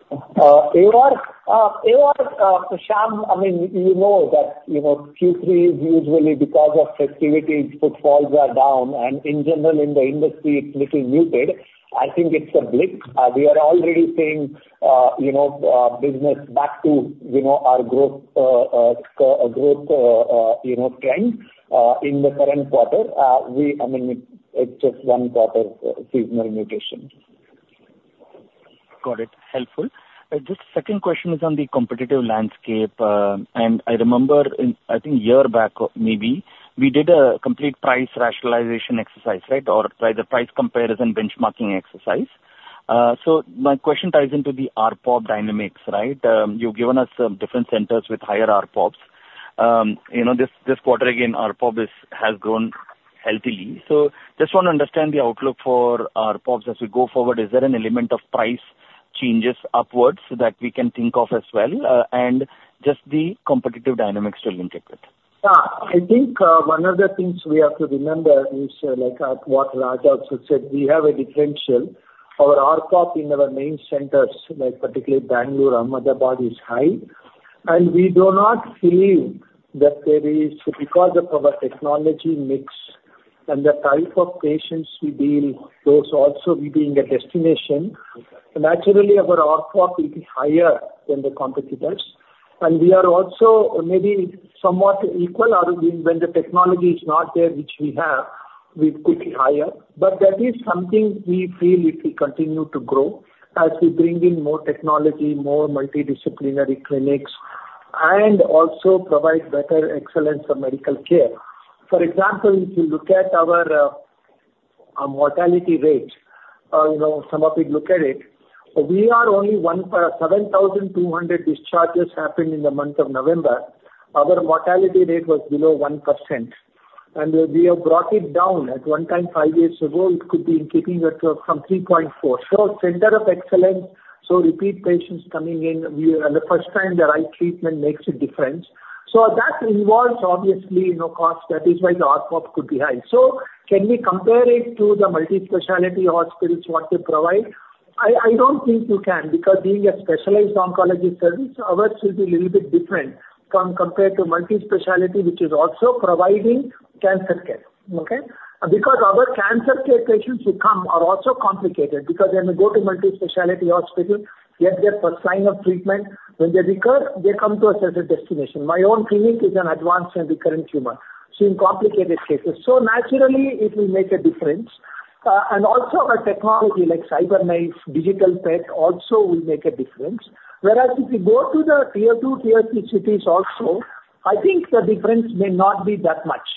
AR Sham, I mean, you know that, you know, Q3 is usually because of festivities, footfalls are down, and in general, in the industry, it's little muted. I think it's a blip. We are already seeing, you know, business back to, you know, our growth, you know, trend in the current quarter. I mean, it's just one quarter of seasonal mutation. Got it. Helpful. Just second question is on the competitive landscape. And I remember in, I think, a year back, maybe, we did a complete price rationalization exercise, right? Or rather, price comparison benchmarking exercise. So my question ties into the ARPOB dynamics, right? You've given us different centers with higher ARPOBs. You know, this quarter again, ARPOB has grown healthily. So just want to understand the outlook for ARPOBs as we go forward. Is there an element of price changes upwards that we can think of as well? And just the competitive dynamics to link it with. Yeah. I think, one of the things we have to remember is, like, what Raj also said, we have a differential. Our ARPOB in our main centers, like particularly Bangalore and Ahmedabad, is high, and we do not feel that there is... Because of our technology mix and the type of patients we deal, those also we being a destination, naturally, our ARPOB will be higher than the competitors. And we are also maybe somewhat equal or when, when the technology is not there, which we have, we could be higher. But that is something we feel if we continue to grow, as we bring in more technology, more multidisciplinary clinics, and also provide better excellence of medical care. For example, if you look at our, our mortality rate, you know, some of you look at it, we are only 17,200 discharges happened in the month of November. Our mortality rate was below 1%, and we have brought it down. At one time, five years ago, it could be keeping at, from 3.4%. So center of excellence, so repeat patients coming in, we, and the first time the right treatment makes a difference. So that involves obviously, you know, cost. That is why the ARPOB could be high. So can we compare it to the multi-specialty hospitals, what they provide? I, I don't think you can, because being a specialized oncology service, ours will be little bit different from compared to multi-specialty, which is also providing cancer care. Okay? Because our cancer care patients who come are also complicated, because they may go to multi-specialty hospital, get their first line of treatment. When they recur, they come to us as a destination. My own clinic is an advanced and recurrent tumor, seeing complicated cases. So naturally, it will make a difference. And also our technology, like CyberKnife, Digital Pathology, also will make a difference. Whereas if you go to the Tier 2, Tier 3 cities also, I think the difference may not be that much,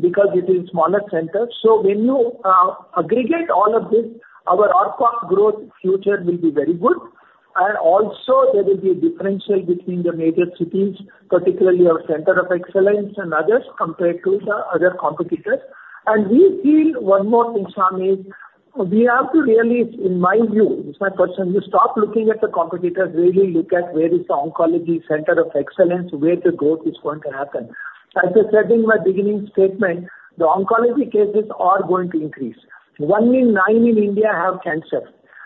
because it is smaller centers. So when you aggregate all of this, our ARPOB growth future will be very good. And also there will be a differential between the major cities, particularly our center of excellence and others, compared to the other competitors. We feel one more thing, Sham, is we have to really, in my view, it's my personal, you stop looking at the competitors, really look at where is the oncology center of excellence, where the growth is going to happen. As I said in my beginning statement, the oncology cases are going to increase. One in nine in India have cancer,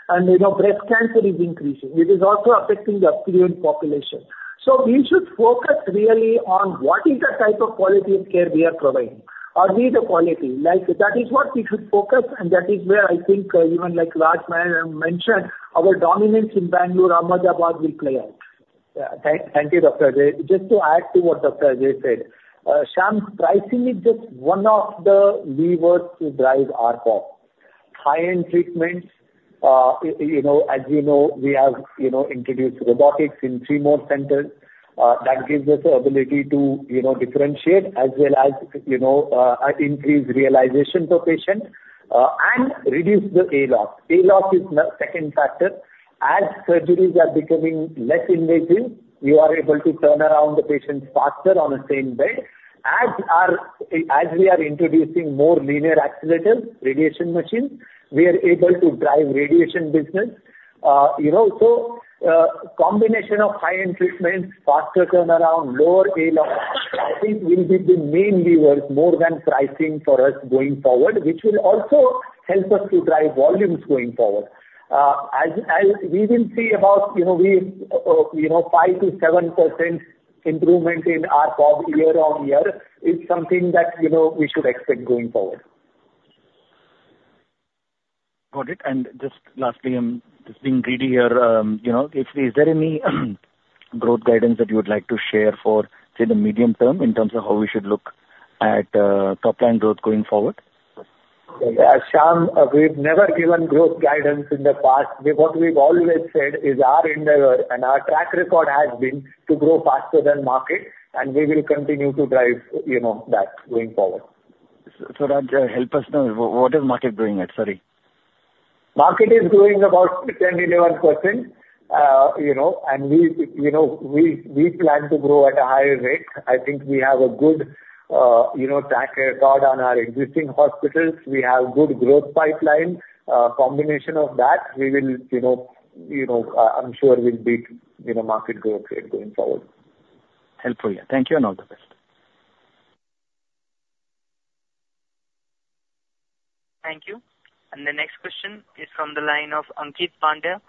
and, you know, breast cancer is increasing. It is also affecting the affluent population. So we should focus really on what is the type of quality of care we are providing. Are we the quality? Like, that is what we should focus, and that is where I think, even like Raj mentioned, our dominance in Bangalore, Ahmedabad will play out. Yeah. Thank you, Dr. Ajay. Just to add to what Dr. Ajay said, Sham, pricing is just one of the levers to drive ARPOB. High-end treatments, you know, as you know, we have, you know, introduced robotics in three more centers. That gives us the ability to, you know, differentiate as well as, you know, increase realization per patient, and reduce the ALoS. ALoS is the second factor. As surgeries are becoming less invasive, we are able to turn around the patients faster on the same day. As we are introducing more linear accelerators, radiation machines, we are able to drive radiation business. You know, so, combination of high-end treatments, faster turnaround, lower ALoS, I think will be the main levers more than pricing for us going forward, which will also help us to drive volumes going forward. As we will see about, you know, we, you know, 5%-7% improvement in ARPOB year-on-year is something that, you know, we should expect going forward. Got it. And just lastly, I'm just being greedy here. You know, is there any growth guidance that you would like to share for, say, the medium term in terms of how we should look at top line growth going forward? Sham, we've never given growth guidance in the past. What we've always said is our endeavor and our track record has been to grow faster than market, and we will continue to drive, you know, that going forward. Raj, help us know, what is market growing at? Sorry. Market is growing about 10%-11%. You know, and we, you know, we plan to grow at a higher rate. I think we have a good, you know, track record on our existing hospitals. We have good growth pipeline. Combination of that, we will, you know, you know, I'm sure we'll beat, you know, market growth rate going forward. Helpful. Yeah. Thank you, and all the best.... Thank you. The next question is from the line of Ankit Pandya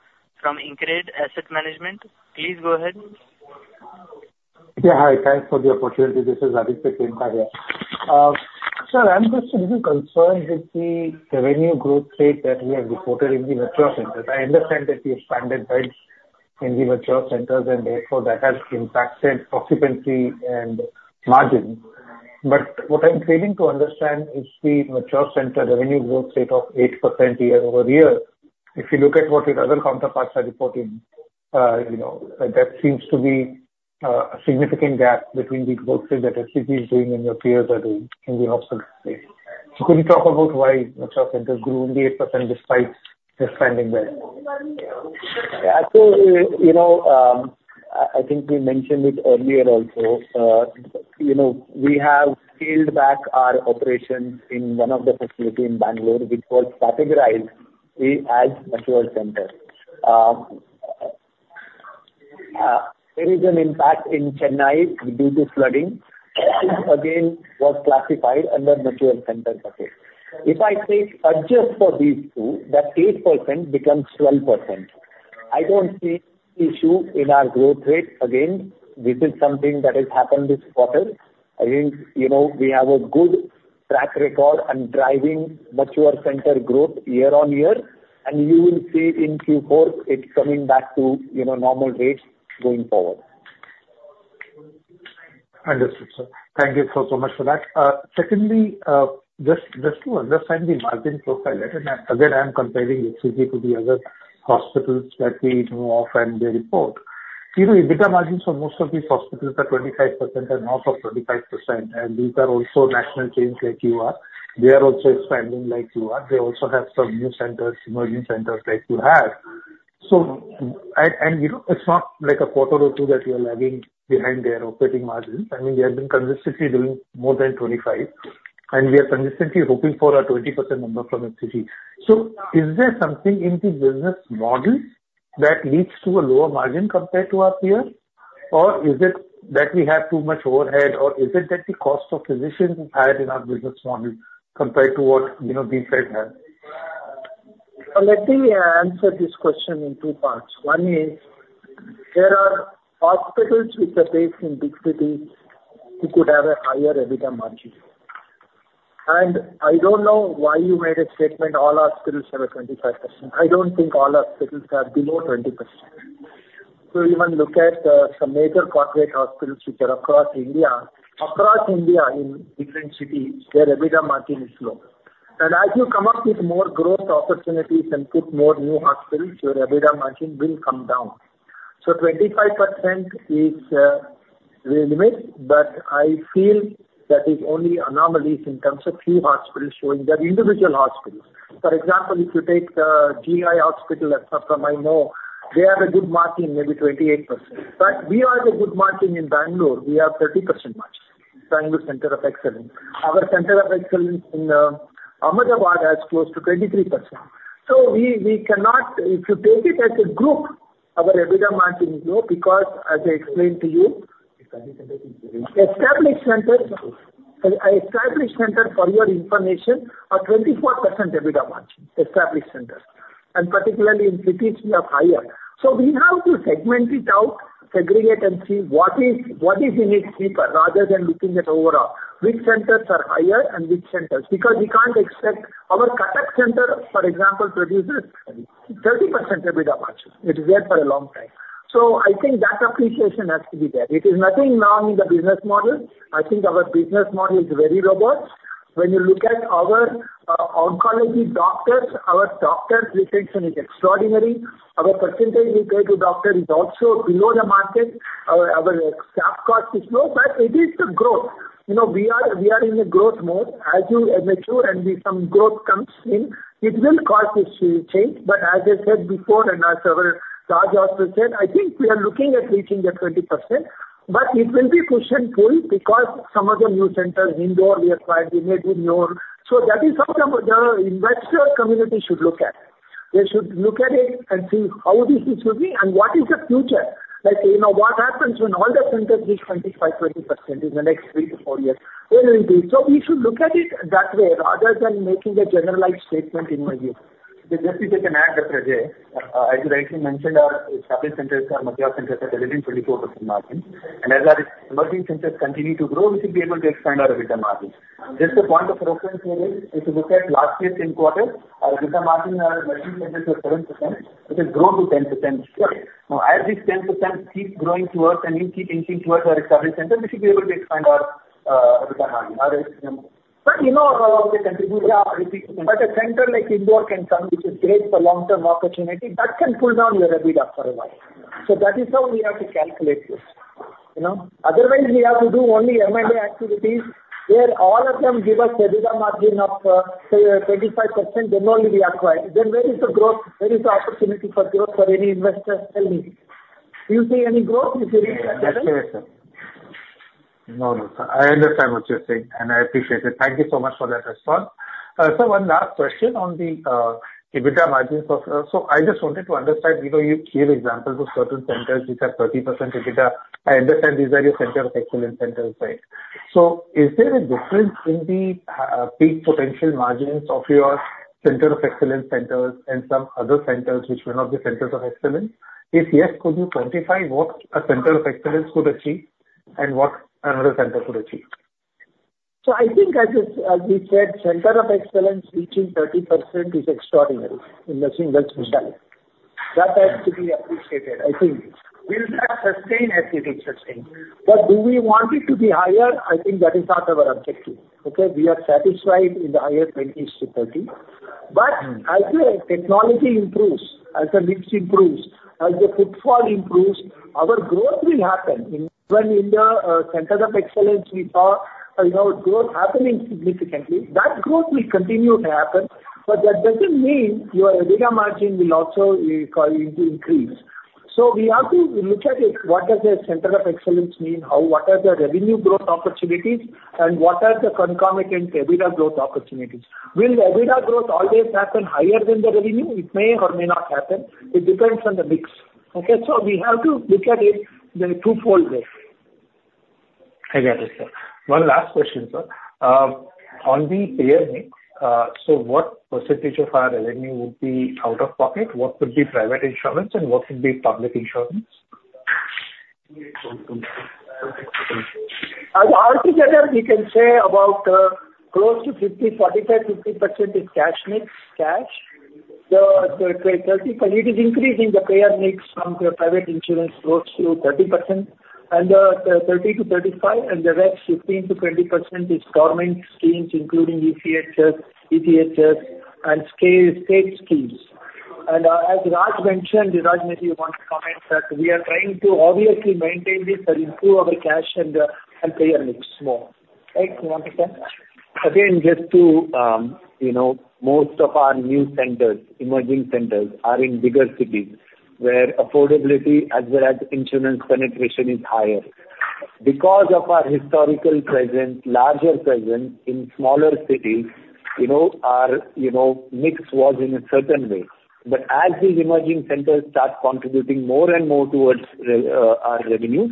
from InCred Asset Management. Please go ahead. Yeah, hi. Thanks for the opportunity. This is Aditi Kaintaraya. Sir, I'm just a little concerned with the revenue growth rate that we have reported in the mature centers. I understand that we expanded beds in the mature centers, and therefore, that has impacted occupancy and margin. But what I'm failing to understand is the mature center revenue growth rate of 8% year-over-year. If you look at what your other counterparts are reporting, you know, that seems to be a significant gap between the growth rate that HCG is doing and your peers are doing in the hospital space. So could you talk about why mature centers grew only 8% despite expanding beds? Yeah, I think, you know, I, I think we mentioned it earlier also. You know, we have scaled back our operations in one of the facility in Bangalore, which was categorized as mature center. There is an impact in Chennai due to flooding, which again, was classified under mature center bucket. If I say adjust for these two, that 8% becomes 12%. I don't see issue in our growth rate. Again, this is something that has happened this quarter. I think, you know, we have a good track record and driving mature center growth year-on-year, and you will see it in Q4, it's coming back to, you know, normal rates going forward. Understood, sir. Thank you so, so much for that. Secondly, just to understand the margin profile, and again, I'm comparing HCG to the other hospitals that we know of and they report. You know, EBITDA margins for most of these hospitals are 25% and north of 25%, and these are also national chains like you are. They are also expanding like you are. They also have some new centers, emerging centers like you have. So, and, you know, it's not like a quarter or two that you are lagging behind their operating margins. I mean, they have been consistently doing more than 25, and we are consistently hoping for a 20% number from HCG. So is there something in the business model that leads to a lower margin compared to our peers? Or is it that we have too much overhead, or is it that the cost of physicians is higher in our business model compared to what, you know, these guys have? Let me answer this question in two parts. One is, there are hospitals which are based in big cities, who could have a higher EBITDA margin. I don't know why you made a statement all hospitals have a 25%. I don't think all hospitals have below 20%. Even look at some major corporate hospitals which are across India, across India in different cities, their EBITDA margin is low. As you come up with more growth opportunities and put more new hospitals, your EBITDA margin will come down. So 25% is the limit, but I feel that is only anomalies in terms of few hospitals showing, they're individual hospitals. For example, if you take the GI hospital at Puducherry, I know, they have a good margin, maybe 28%. But we have a good margin in Bangalore, we have 30% margin, Bangalore Center of Excellence. Our Center of Excellence in Ahmedabad has close to 23%. So we, we cannot... If you take it as a group, our EBITDA margin is low because, as I explained to you- Established centers. Established centers, for your information, are 24% EBITDA margin, and particularly in cities, we are higher. So we have to segment it out, segregate and see what is in it deeper, rather than looking at overall. Which centers are higher and which centers... Because we can't expect, our Cuttack center, for example, produces 30% EBITDA margin. It is there for a long time. So I think that appreciation has to be there. It is nothing wrong in the business model. I think our business model is very robust. When you look at our oncology doctors, our doctor retention is extraordinary. Our percentage we pay to doctor is also below the market. Our staff cost is low, but it is the growth. You know, we are in a growth mode. As you mature and we some growth comes in, it will cause this to change. As I said before, and as our Raj also said, I think we are looking at reaching the 20%, but it will be push and pull because some of the new centers, Indore, we acquired, we made in Indore. So that is how the, the investor community should look at. They should look at it and see how this is going to be and what is the future. Like, you know, what happens when all the centers reach 25%, 20% in the next three-four years? Where will it be? So we should look at it that way rather than making a generalized statement, in my view. Just if I can add, Dr. Ajay. As you rightly mentioned, our established centers, our mature centers are delivering 24% margin. As our emerging centers continue to grow, we should be able to expand our EBITDA margin. Just a point of reference here is, if you look at last year's same quarter, our EBITDA margin in our emerging centers were 7%, which has grown to 10%. Yes. Now, as this 10% keeps growing towards and we keep inching towards our established center, we should be able to expand our EBITDA margin, our but you know, contribute, yeah, but a center like Indore can come, which is great for long-term opportunity, that can pull down your EBITDA for a while. So that is how we have to calculate this, you know? Otherwise, we have to do only M&A activities, where all of them give us EBITDA margin of, say, 25%, then only we acquire. Then where is the growth? Where is the opportunity for growth for any investor? Tell me. Do you see any growth if you do that? That's right, sir. ... No, no, sir, I understand what you're saying, and I appreciate it. Thank you so much for that response. So one last question on the EBITDA margins of, so I just wanted to understand, you know, you gave examples of certain centers which have 30% EBITDA. I understand these are your center of excellence centers, right? So is there a difference in the peak potential margins of your center of excellence centers and some other centers which may not be centers of excellence? If yes, could you quantify what a center of excellence could achieve and what another center could achieve? So I think as is, as we said, center of excellence reaching 30% is extraordinary in the single site. That has to be appreciated, I think. Will that sustain as it is sustained? But do we want it to be higher? I think that is not our objective. Okay? We are satisfied in the higher 20s-30s. But as the technology improves, as the mix improves, as the footfall improves, our growth will happen. Even in the, centers of excellence, we saw, you know, growth happening significantly. That growth will continue to happen, but that doesn't mean your EBITDA margin will also continue to increase. So we have to look at it, what does a center of excellence mean? How, what are the revenue growth opportunities and what are the concomitant EBITDA growth opportunities? Will the EBITDA growth always happen higher than the revenue? It may or may not happen. It depends on the mix. Okay, so we have to look at it in a twofold way. I get it, sir. One last question, sir. On the payer mix, so what percentage of our revenue would be out-of-pocket? What would be private insurance, and what would be public insurance? All together, we can say about close to 45%-50% is cash mix, cash. So 35%, it is increasing. The payer mix from the private insurance grows to 30%, and 30-35, and the rest, 15%-20%, is government schemes, including ECHS and state schemes. As Raj mentioned, Raj, maybe you want to comment that we are trying to obviously maintain this and improve our cash and payer mix more. Right, you want to say? Again, just to, you know, most of our new centers, emerging centers, are in bigger cities, where affordability as well as insurance penetration is higher. Because of our historical presence, larger presence in smaller cities, you know, our mix was in a certain way. But as these emerging centers start contributing more and more towards our revenue,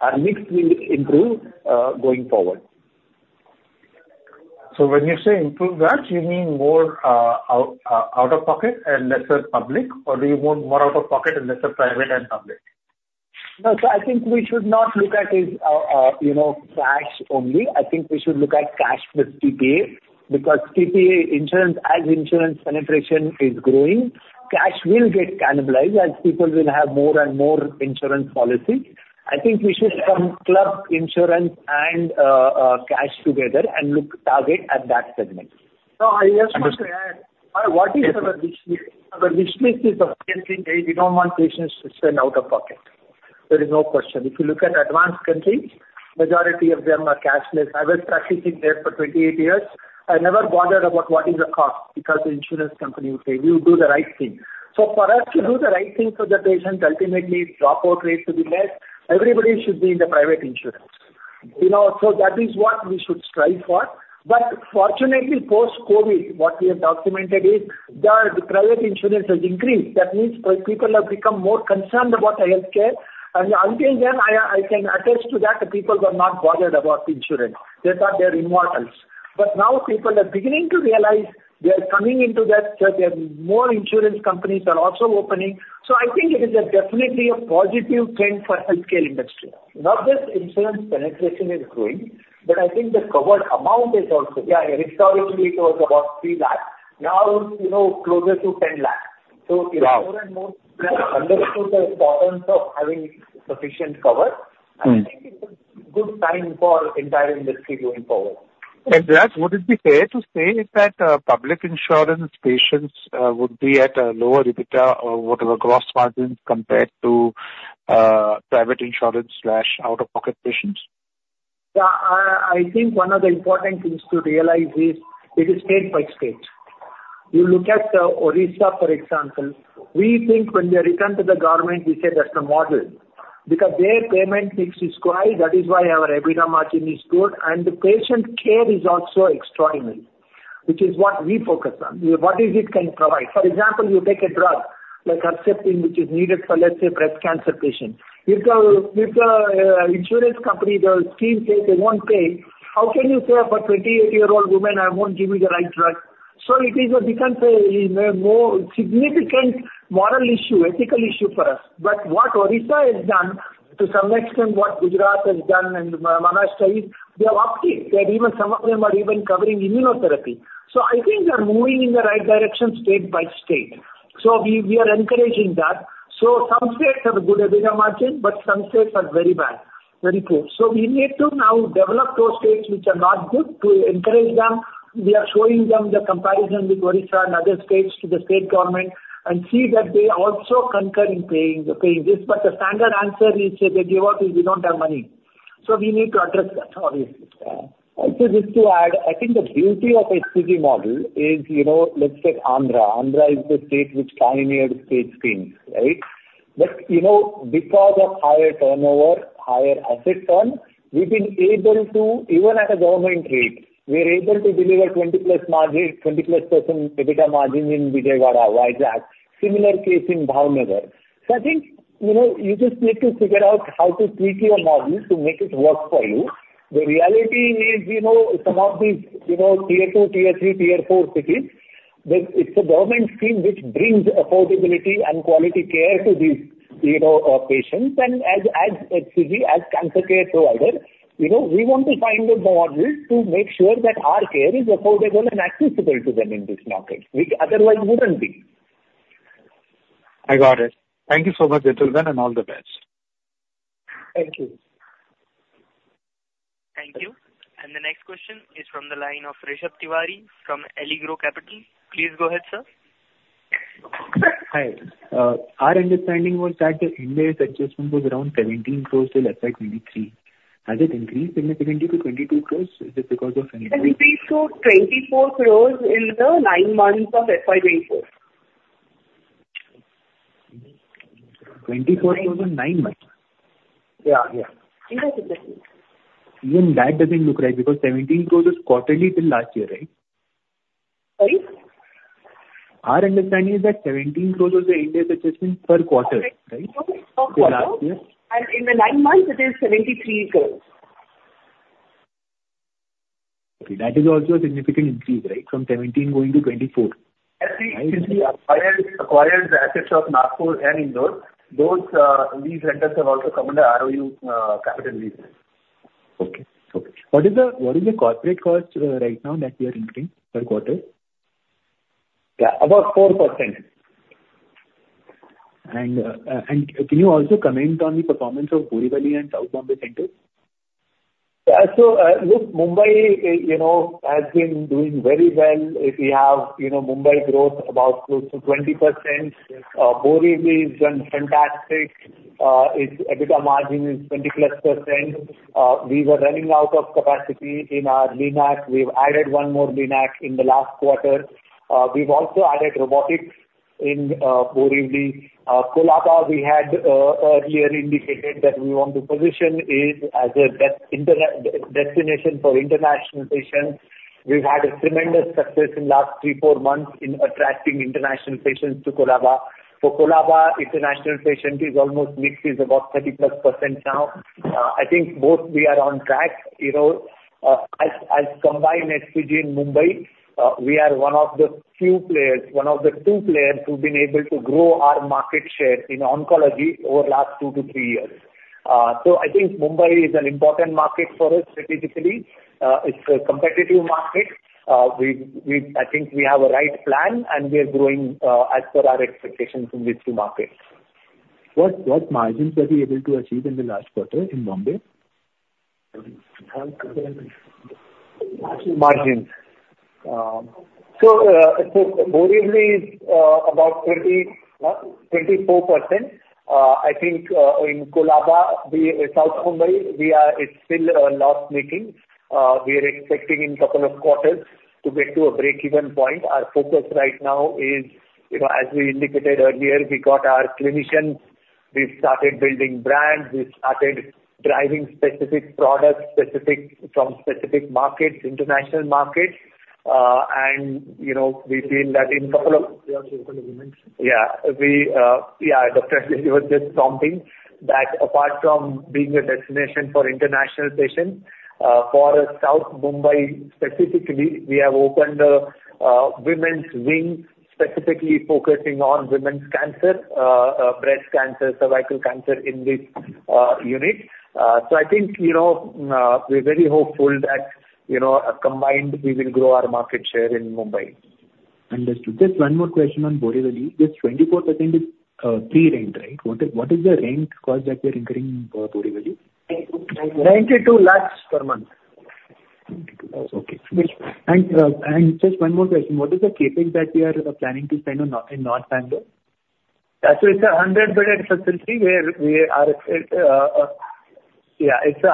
our mix will improve, going forward. So when you say improve that, you mean more out-of-pocket and lesser public, or do you mean more out-of-pocket and lesser private and public? No, so I think we should not look at it, you know, cash only. I think we should look at cash plus TPA, because TPA insurance, as insurance penetration is growing, cash will get cannibalized as people will have more and more insurance policies. I think we should some club insurance and, cash together and look, target at that segment. No, I just want to add- Understood. What is our wish list? Our wish list is, obviously, we don't want patients to spend out-of-pocket. There is no question. If you look at advanced countries, majority of them are cashless. I was practicing there for 28 years. I never bothered about what is the cost, because the insurance company will say, "You do the right thing." So for us to do the right thing for the patient, ultimately dropout rates will be less, everybody should be in the private insurance. You know, so that is what we should strive for. But fortunately, post-COVID, what we have documented is the private insurance has increased. That means, people have become more concerned about healthcare, and until then, I can attest to that, the people were not bothered about insurance. They thought they are immortals. But now people are beginning to realize they are coming into that, that there are more insurance companies are also opening. So I think it is a definitely a positive trend for healthcare industry. Not just insurance penetration is growing, but I think the covered amount is also... Yeah, historically, it was about 3 lakh. Now, it's, you know, closer to 10 lakh. Wow! So more and more people have understood the importance of having sufficient cover. I think it's a good sign for entire industry going forward. Raj, would it be fair to say that public insurance patients would be at a lower EBITDA or whatever gross margins compared to private insurance slash out-of-pocket patients? Yeah, I think one of the important things to realize is it is state by state. You look at Odisha, for example, we think when we return to the government, we say that's the model, because their payment mix is quite, that is why our EBITDA margin is good, and the patient care is also extraordinary, which is what we focus on. What is it can provide? For example, you take a drug, like Herceptin, which is needed for, let's say, breast cancer patient. If the insurance company, the scheme says they won't pay, how can you say for a 28-year-old woman, "I won't give you the right drug?" So it is a, becomes a more significant moral issue, ethical issue for us. But what Odisha has done, to some extent what Gujarat has done and Maharashtra, they are opting. They are even, some of them are even covering immunotherapy. So I think they are moving in the right direction, state by state. So we, we are encouraging that. So some states have a good EBITDA margin, but some states are very bad, very poor. So we need to now develop those states which are not good to encourage them. We are showing them the comparison with Odisha and other states to the state government and see that they also concur in paying, paying this. But the standard answer is that they give up is, "We don't have money." So we need to address that, obviously. Also just to add, I think the beauty of HCG model is, you know, let's take Andhra. Andhra is the state which pioneered state schemes, right?... But, you know, because of higher turnover, higher asset turn, we've been able to, even at a government rate, we are able to deliver 20+ margin, 20+% EBITDA margin in Vijayawada, Vizag. Similar case in Bhavnagar. So I think, you know, you just need to figure out how to tweak your model to make it work for you. The reality is, you know, some of these, you know, tier two, tier three, tier four cities, that it's a government scheme which brings affordability and quality care to these, you know, patients. And as, as HCG, as cancer care provider, you know, we want to find a model to make sure that our care is affordable and accessible to them in this market, which otherwise wouldn't be. I got it. Thank you so much, Chitranjan, and all the best. Thank you. Thank you. The next question is from the line of Rishabh Tiwari from Edelweiss Capital. Please go ahead, sir. Hi. Our understanding was that the Ind AS adjustment was around 17 crore till FY 2023. Has it increased significantly to 22 crore? Is it because of- It increased to 24 crore in the nine months of FY 2024. 24 crore in nine months? Yeah, yeah. Even that doesn't look right, because 17 crore is quarterly till last year, right? Sorry? Our understanding is that 17 crore was the India adjustment per quarter, right? Per quarter. Last year. In the nine months, it is 73 crore. Okay, that is also a significant increase, right? From 17 going to 24. As we acquired the assets of Nashik and Indore, these centers have also come under ROU capital lease. Okay. Okay. What is the, what is the corporate cost right now that you are incurring per quarter? Yeah, about 4%. Can you also comment on the performance of Borivali and South Bombay centers? Yeah. So, look, Mumbai, you know, has been doing very well. We have, you know, Mumbai growth about close to 20%. Borivali is doing fantastic. Its EBITDA margin is 20%+. We were running out of capacity in our LINAC. We've added one more LINAC in the last quarter. We've also added robotics in Borivali. Kolhapur, we had earlier indicated that we want to position it as a destination for international patients. We've had a tremendous success in last three, four months in attracting international patients to Kolhapur. For Kolhapur, international patient is almost mixed, is about 30%+ now. I think both we are on track. You know, as combined HCG in Mumbai, we are one of the few players, one of the two players who've been able to grow our market share in oncology over last two to three years. So I think Mumbai is an important market for us strategically. It's a competitive market. We, I think we have a right plan, and we are growing as per our expectations in these two markets. What, what margins were you able to achieve in the last quarter in Mumbai? Margins. So, Borivali is about 24%. I think in Colaba, the South Mumbai, we are—it's still not making. We are expecting in couple of quarters to get to a break-even point. Our focus right now is, you know, as we indicated earlier, we got our clinicians, we've started building brands, we've started driving specific products, specific, from specific markets, international markets. And, you know, we feel that in couple of- Yeah, couple of months. Yeah, we... Yeah, Dr. Ajay was just prompting that apart from being a destination for international patients, for South Mumbai specifically, we have opened a women's wing, specifically focusing on women's cancer, breast cancer, cervical cancer in this unit. So I think, you know, we're very hopeful that, you know, combined, we will grow our market share in Mumbai. Understood. Just one more question on Borivali. This 24% is pre-rent, right? What is the rent cost that you're incurring for Borivali? 92 lakhs per month. INR 92 lakhs, okay. And just one more question. What is the CapEx that you are planning to spend on North Bangalore? Yeah, so it's a 100-bedded facility, where we are. Yeah, it's a,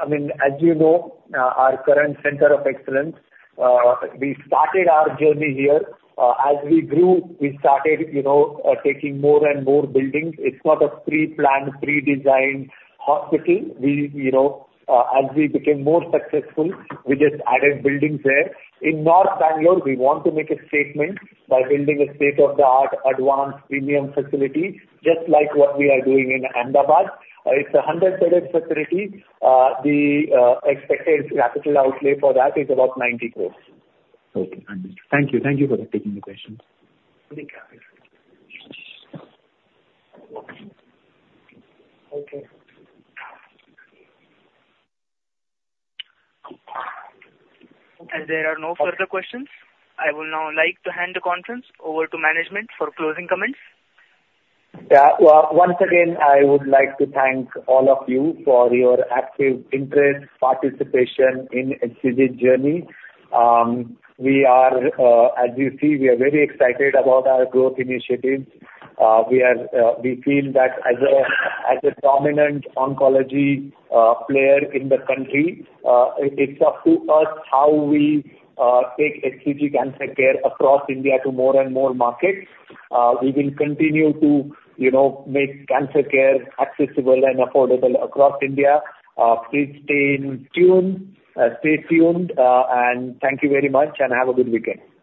I mean, as you know, our current center of excellence, we started our journey here. As we grew, we started, you know, taking more and more buildings. It's not a pre-planned, pre-designed hospital. We, you know, as we became more successful, we just added buildings there. In North Bangalore, we want to make a statement by building a state-of-the-art, advanced premium facility, just like what we are doing in Ahmedabad. It's a 100-bedded facility. The expected capital outlay for that is about 90 crores. Okay. Understood. Thank you. Thank you for taking the questions. Okay. As there are no further questions, I would now like to hand the conference over to management for closing comments. Yeah. Once again, I would like to thank all of you for your active interest, participation in HCG's journey. We are, as you see, we are very excited about our growth initiatives. We are, we feel that as a, as a dominant oncology player in the country, it, it's up to us how we take HCG cancer care across India to more and more markets. We will continue to, you know, make cancer care accessible and affordable across India. Please stay in tune, stay tuned, and thank you very much, and have a good weekend.